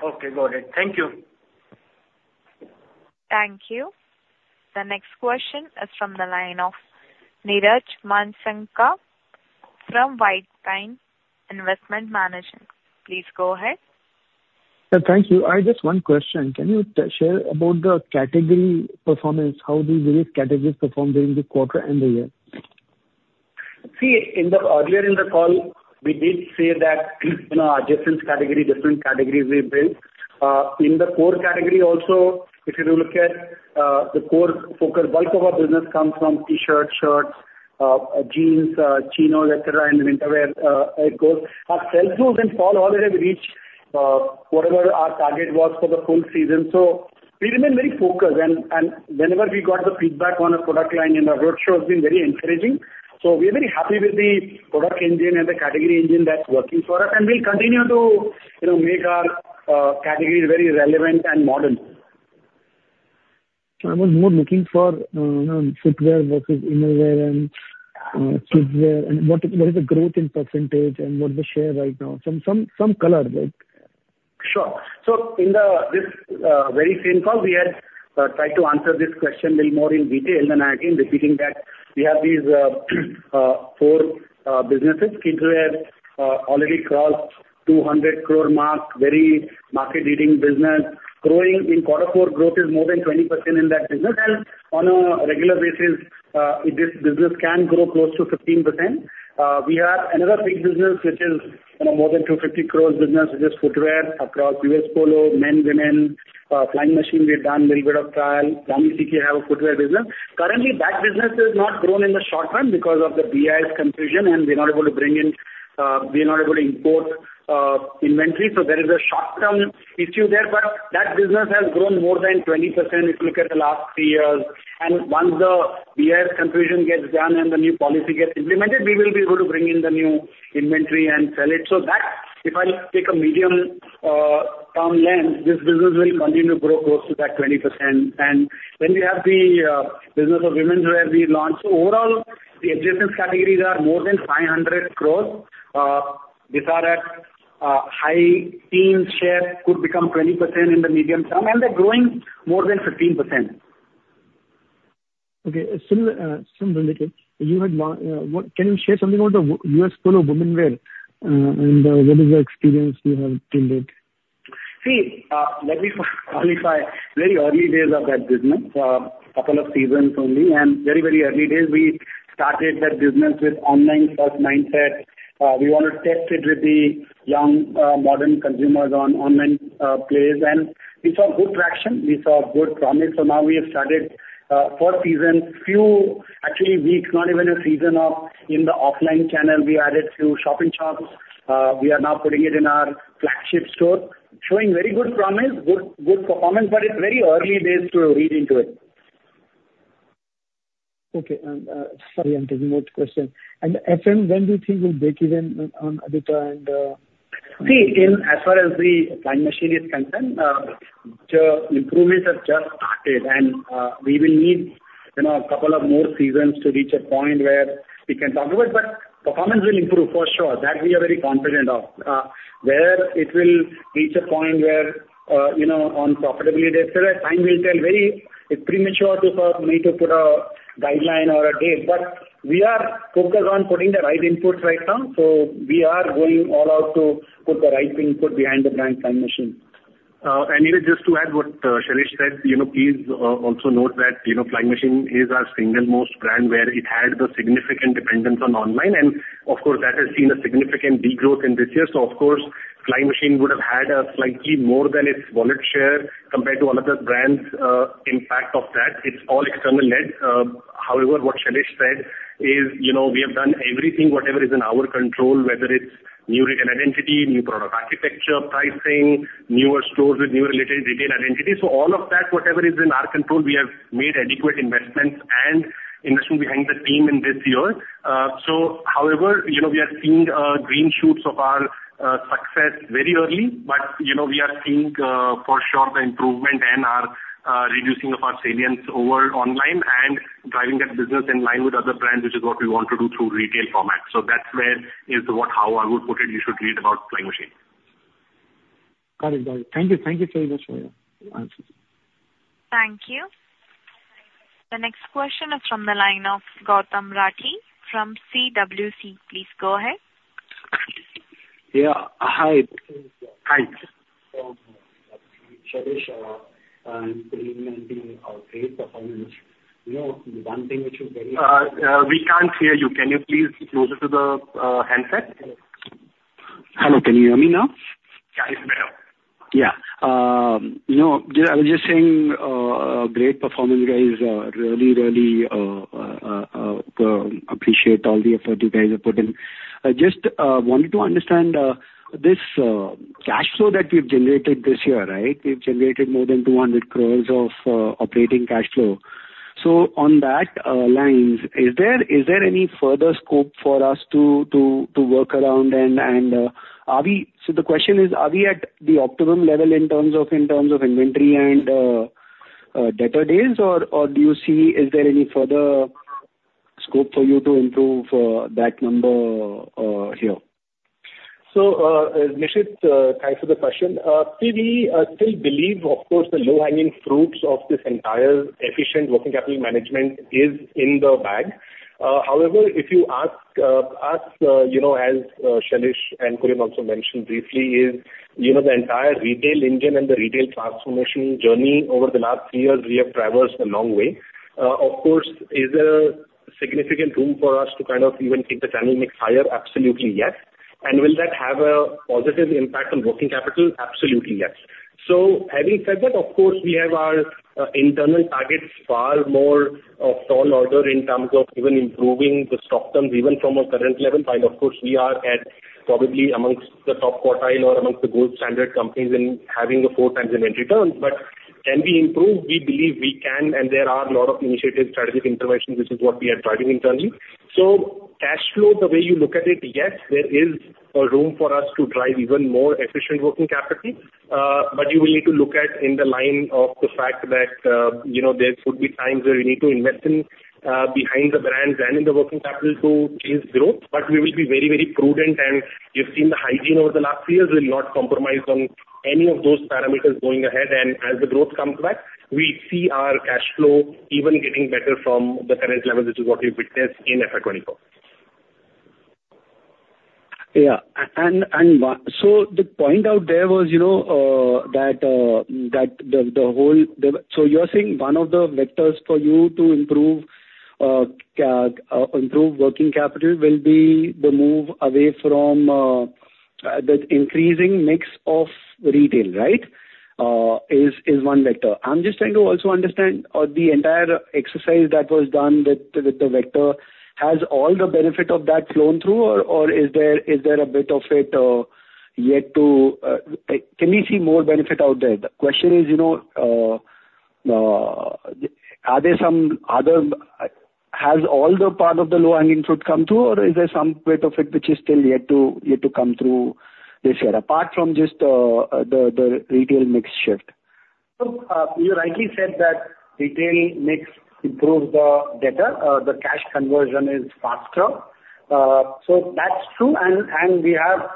Okay, got it. Thank you.
Thank you. The next question is from the line of Niraj Mansingka from White Pine Investment Management. Please go ahead.
Thank you. I just one question. Can you share about the category performance? How these various categories performed during the quarter and the year?
See, earlier in the call, we did say that, you know, adjacent category, different categories we built. In the core category also, if you look at the core focus, bulk of our business comes from T-shirts, shirts, jeans, chinos, et cetera, and winterwear, e-co. Our sales tools in fall already have reached whatever our target was for the full season. So we remain very focused, and whenever we got the feedback on a product line in our roadshow has been very encouraging. So we are very happy with the product engine and the category engine that's working for us, and we'll continue to, you know, make our categories very relevant and modern.
I was more looking for, you know, footwear versus innerwear and kidswear, and what is the growth in percentage and what is the share right now? Some color there.
Sure. So in this very same call, we had tried to answer this question little more in detail, and I'm again repeating that we have these four businesses. Kids wear already crossed 200 crore mark, very market-leading business. Growing in quarter four, growth is more than 20% in that business, and on a regular basis, this business can grow close to 15%. We have another big business, which is, you know, more than 250 crore business, which is footwear across U.S. Polo, men, women, Flying Machine, we've done a little bit of trial. Tommy Hilfiger have a footwear business. Currently, tmhat business has not grown in the short term because of the BIS confusion, and we're not able to bring in, we're not able to import inventory. So there is a short-term issue there, but that business has grown more than 20% if you look at the last three years. And once the BIS confusion gets done and the new policy gets implemented, we will be able to bring in the new inventory and sell it. So that, if I take a medium term lens, this business will continue to grow close to that 20%. And then we have the business of womenswear we launched. So overall, the adjacent categories are more than 500 crores. These are at high teen share, could become 20% in the medium term, and they're growing more than 15%.
Okay. Similar, same related. What can you share about the U.S. Polo women's wear, and what is the experience you have to date?
See, let me qualify, very early days of that business, couple of seasons only, and very, very early days, we started that business with online first mindset. We want to test it with the young, modern consumers on online players, and we saw good traction. We saw good promise. So now we have started fourth season. Few, actually, weeks, not even a season of in the offline channel, we added few shop-in-shops. We are now putting it in our flagship store. Showing very good promise, good, good performance, but it's very early days to read into it.
Okay, and, sorry, I'm taking more question. And FM, when do you think will break even on EBITDA.
See, in as far as the Flying Machine is concerned, the improvements have just started, and we will need, you know, a couple of more seasons to reach a point where we can talk about it, but performance will improve for sure. That we are very confident of. Where it will reach a point where, you know, on profitability, et cetera, time will tell. It's premature for me to put a guideline or a date, but we are focused on putting the right inputs right now, so we are going all out to put the right input behind the brand Flying Machine.
And, you know, just to add what Shailesh said, you know, please also note that, you know, Flying Machine is our single most brand where it had the significant dependence on online, and of course, that has seen a significant degrowth in this year. So of course, Flying Machine would have had a slightly more than its wallet share compared to all other brands impact of that. It's all external led. However, what Shailesh said is, you know, we have done everything, whatever is in our control, whether it's new retail identity, new product architecture, pricing, newer stores with new retail retail identity. So all of that, whatever is in our control, we have made adequate investments and investment behind the team in this year. So however, you know, we have seen green shoots of our success very early, but, you know, we are seeing for sure the improvement and our reducing of our salience over online and driving that business in line with other brands, which is what we want to do through retail format. So that's where is what how I would put it, you should read about Flying Machine.
Got it, got it. Thank you. Thank you so much for your answers.
Thank you. The next question is from the line of Gautam Rathi, from CWC. Please go ahead.
Yeah, hi.
Hi.
Shailesh, and implementing our great performance. You know, one thing which is very.
We can't hear you. Can you please speak closer to the handset?
Hello, can you hear me now?
Yeah, it's better.
Yeah. You know, I was just saying, great performance, guys. Really, really, appreciate all the effort you guys have put in. I just wanted to understand, this cash flow that we've generated this year, right? We've generated more than 200 crore of operating cash flow. So on that lines, is there any further scope for us to work around? And are we... So the question is: Are we at the optimum level in terms of inventory and debtor days, or do you see is there any further scope for you to improve that number here?
So, thanks for the question. We still believe, of course, the low-hanging fruits of this entire efficient working capital management is in the bag. However, if you ask us, you know, as Shailesh and Kulin also mentioned briefly, is, you know, the entire retail engine and the retail transformation journey over the last three years, we have traversed a long way. Of course, is a significant room for us to kind of even take the channel mix higher? Absolutely, yes. And will that have a positive impact on working capital? Absolutely, yes. So having said that, of course, we have our internal targets far more of tall order in terms of even improving the stock turns, even from a current level. While of course, we are at probably amongst the top quartile or amongst the gold standard companies in having the 4x inventory returns. But can we improve? We believe we can, and there are a lot of initiatives, strategic interventions, which is what we are driving internally. So cash flow, the way you look at it, yes, there is a room for us to drive even more efficient working capital. But you will need to look at in the line of the fact that, you know, there could be times where you need to invest in behind the brands and in the working capital to chase growth. But we will be very, very prudent, and you've seen the hygiene over the last few years. We'll not compromise on any of those parameters going ahead, and as the growth comes back, we see our cash flow even getting better from the current level, which is what you witnessed in FY 2024.
Yeah. And so the point out there was, you know, that the whole... So you are saying one of the vectors for you to improve working capital will be the move away from the increasing mix of retail, right? Is one vector. I'm just trying to also understand the entire exercise that was done with the vector. Has all the benefit of that flown through, or is there a bit of it yet to... Can we see more benefit out there? The question is, you know, has all the part of the low-hanging fruit come through, or is there some bit of it which is still yet to come through this year, apart from just the retail mix shift?
So, you rightly said that retail mix improves the debtor. The cash conversion is faster. So that's true, and we have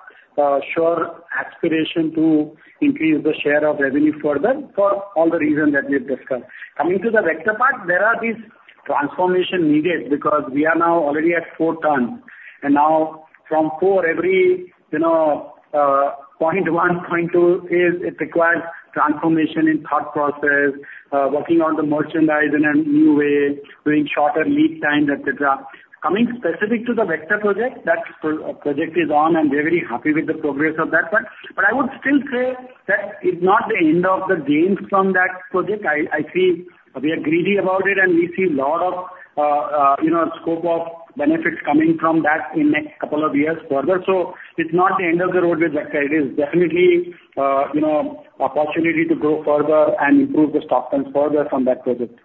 sure aspiration to increase the share of revenue further for all the reasons that we've discussed. Coming to the Vector part, there are these transformation needed, because we are now already at four turns. And now from four, every, you know, 0.1, 0.2, it requires transformation in thought process, working on the merchandise in a new way, doing shorter lead time, et cetera. Coming specific to the Vector project, that project is on, and we're very happy with the progress of that. But I would still say that it's not the end of the gains from that project. I see we are greedy about it, and we see a lot of, you know, scope of benefits coming from that in next couple of years further. So it's not the end of the road with Vector. It is definitely, you know, opportunity to go further and improve the stock terms further from that project.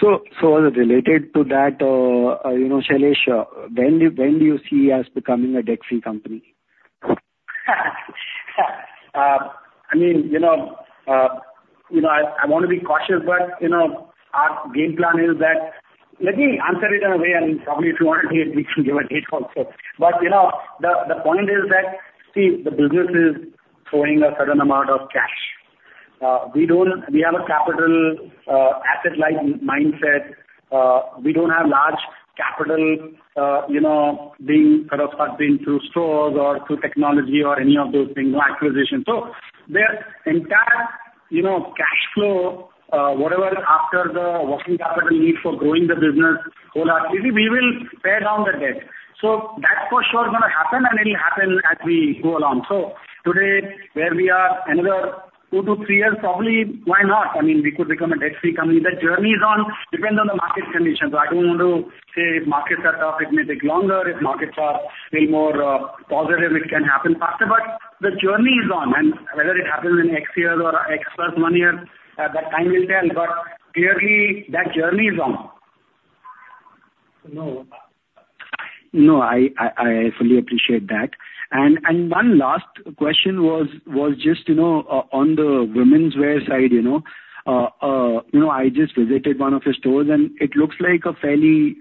So related to that, you know, Shailesh, when do you see us becoming a debt-free company?
I mean, you know, I want to be cautious, but, you know, our game plan is that let me answer it in a way, and probably if you want it, we can give a date also. But, you know, the point is that, see, the business is throwing a certain amount of cash. We don't... We have a capital, asset-light mindset. We don't have large capital, you know, being kind of spent in through stores or through technology or any of those things, or acquisition. So the entire, you know, cash flow, whatever, after the working capital need for growing the business wholesale, we will pay down the debt. So that's for sure going to happen, and it'll happen as we go along. So today, where we are, another two to three years, probably, why not? I mean, we could become a debt-free company. The journey is on, depends on the market conditions. So I don't want to say if markets are tough, it may take longer. If markets are feeling more positive, it can happen faster. But the journey is on, and whether it happens in X years or X plus one year, the time will tell, but clearly, that journey is on.
No, no, I fully appreciate that. And one last question was just, you know, on the women's wear side, you know. You know, I just visited one of your stores, and it looks like a fairly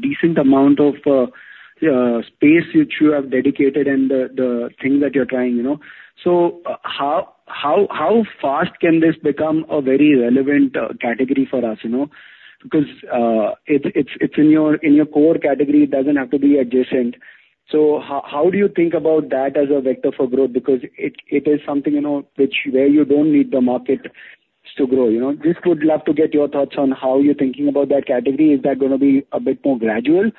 decent amount of space which you have dedicated and the thing that you're trying, you know. How fast can this become a very relevant category for us, you know? Because it's in your core category, it doesn't have to be adjacent. So how do you think about that as a vector for growth? Because it is something, you know, which, where you don't need the market to grow, you know. Just would love to get your thoughts on how you're thinking about that category. Is that gonna be a bit more gradual,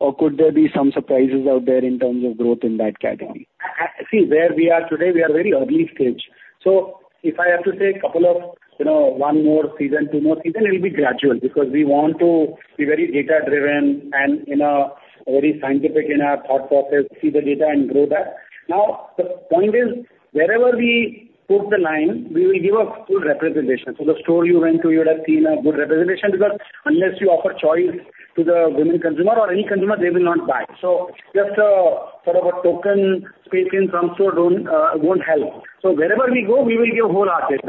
or could there be some surprises out there in terms of growth in that category?
I see where we are today. We are very early stage. So if I have to say a couple of, you know, one more season, two more season, it'll be gradual. Because we want to be very data-driven and, you know, very scientific in our thought process, see the data and grow that. Now, the point is, wherever we put the line, we will give a full representation. So the store you went to, you would have seen a good representation, because unless you offer choice to the women consumer or any consumer, they will not buy. So just sort of a token space in some store don't won't help. So wherever we go, we will give wholehearted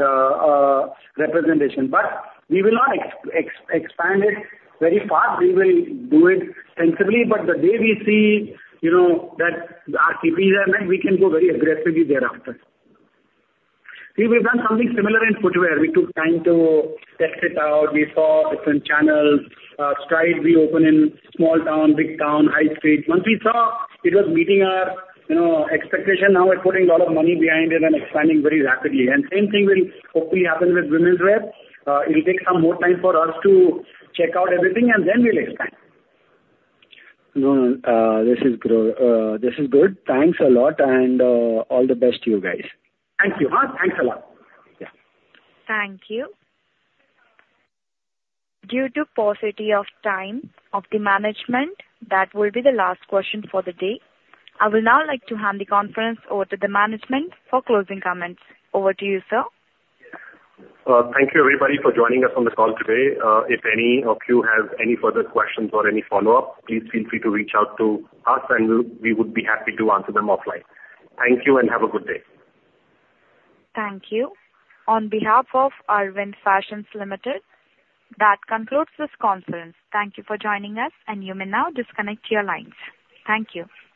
representation, but we will not expand it very fast. We will do it sensibly, but the day we see, you know, that our CP is right, we can go very aggressively thereafter. We, we've done something similar in footwear. We took time to test it out. We saw different channels, Strides we open in small town, big town, high street. Once we saw it was meeting our, you know, expectation, now we're putting a lot of money behind it and expanding very rapidly. And same thing will hopefully happen with women's wear. It'll take some more time for us to check out everything, and then we'll expand.
No, no, this is grow, this is good. Thanks a lot, and all the best to you guys.
Thank you. Thanks a lot. Yeah.
Thank you. Due to paucity of time of the management, that will be the last question for the day. I will now like to hand the conference over to the management for closing comments. Over to you, sir.
Thank you, everybody, for joining us on the call today. If any of you have any further questions or any follow-up, please feel free to reach out to us, and we, we would be happy to answer them offline. Thank you, and have a good day.
Thank you. On behalf of Arvind Fashions Limited, that concludes this conference. Thank you for joining us, and you may now disconnect your lines. Thank you.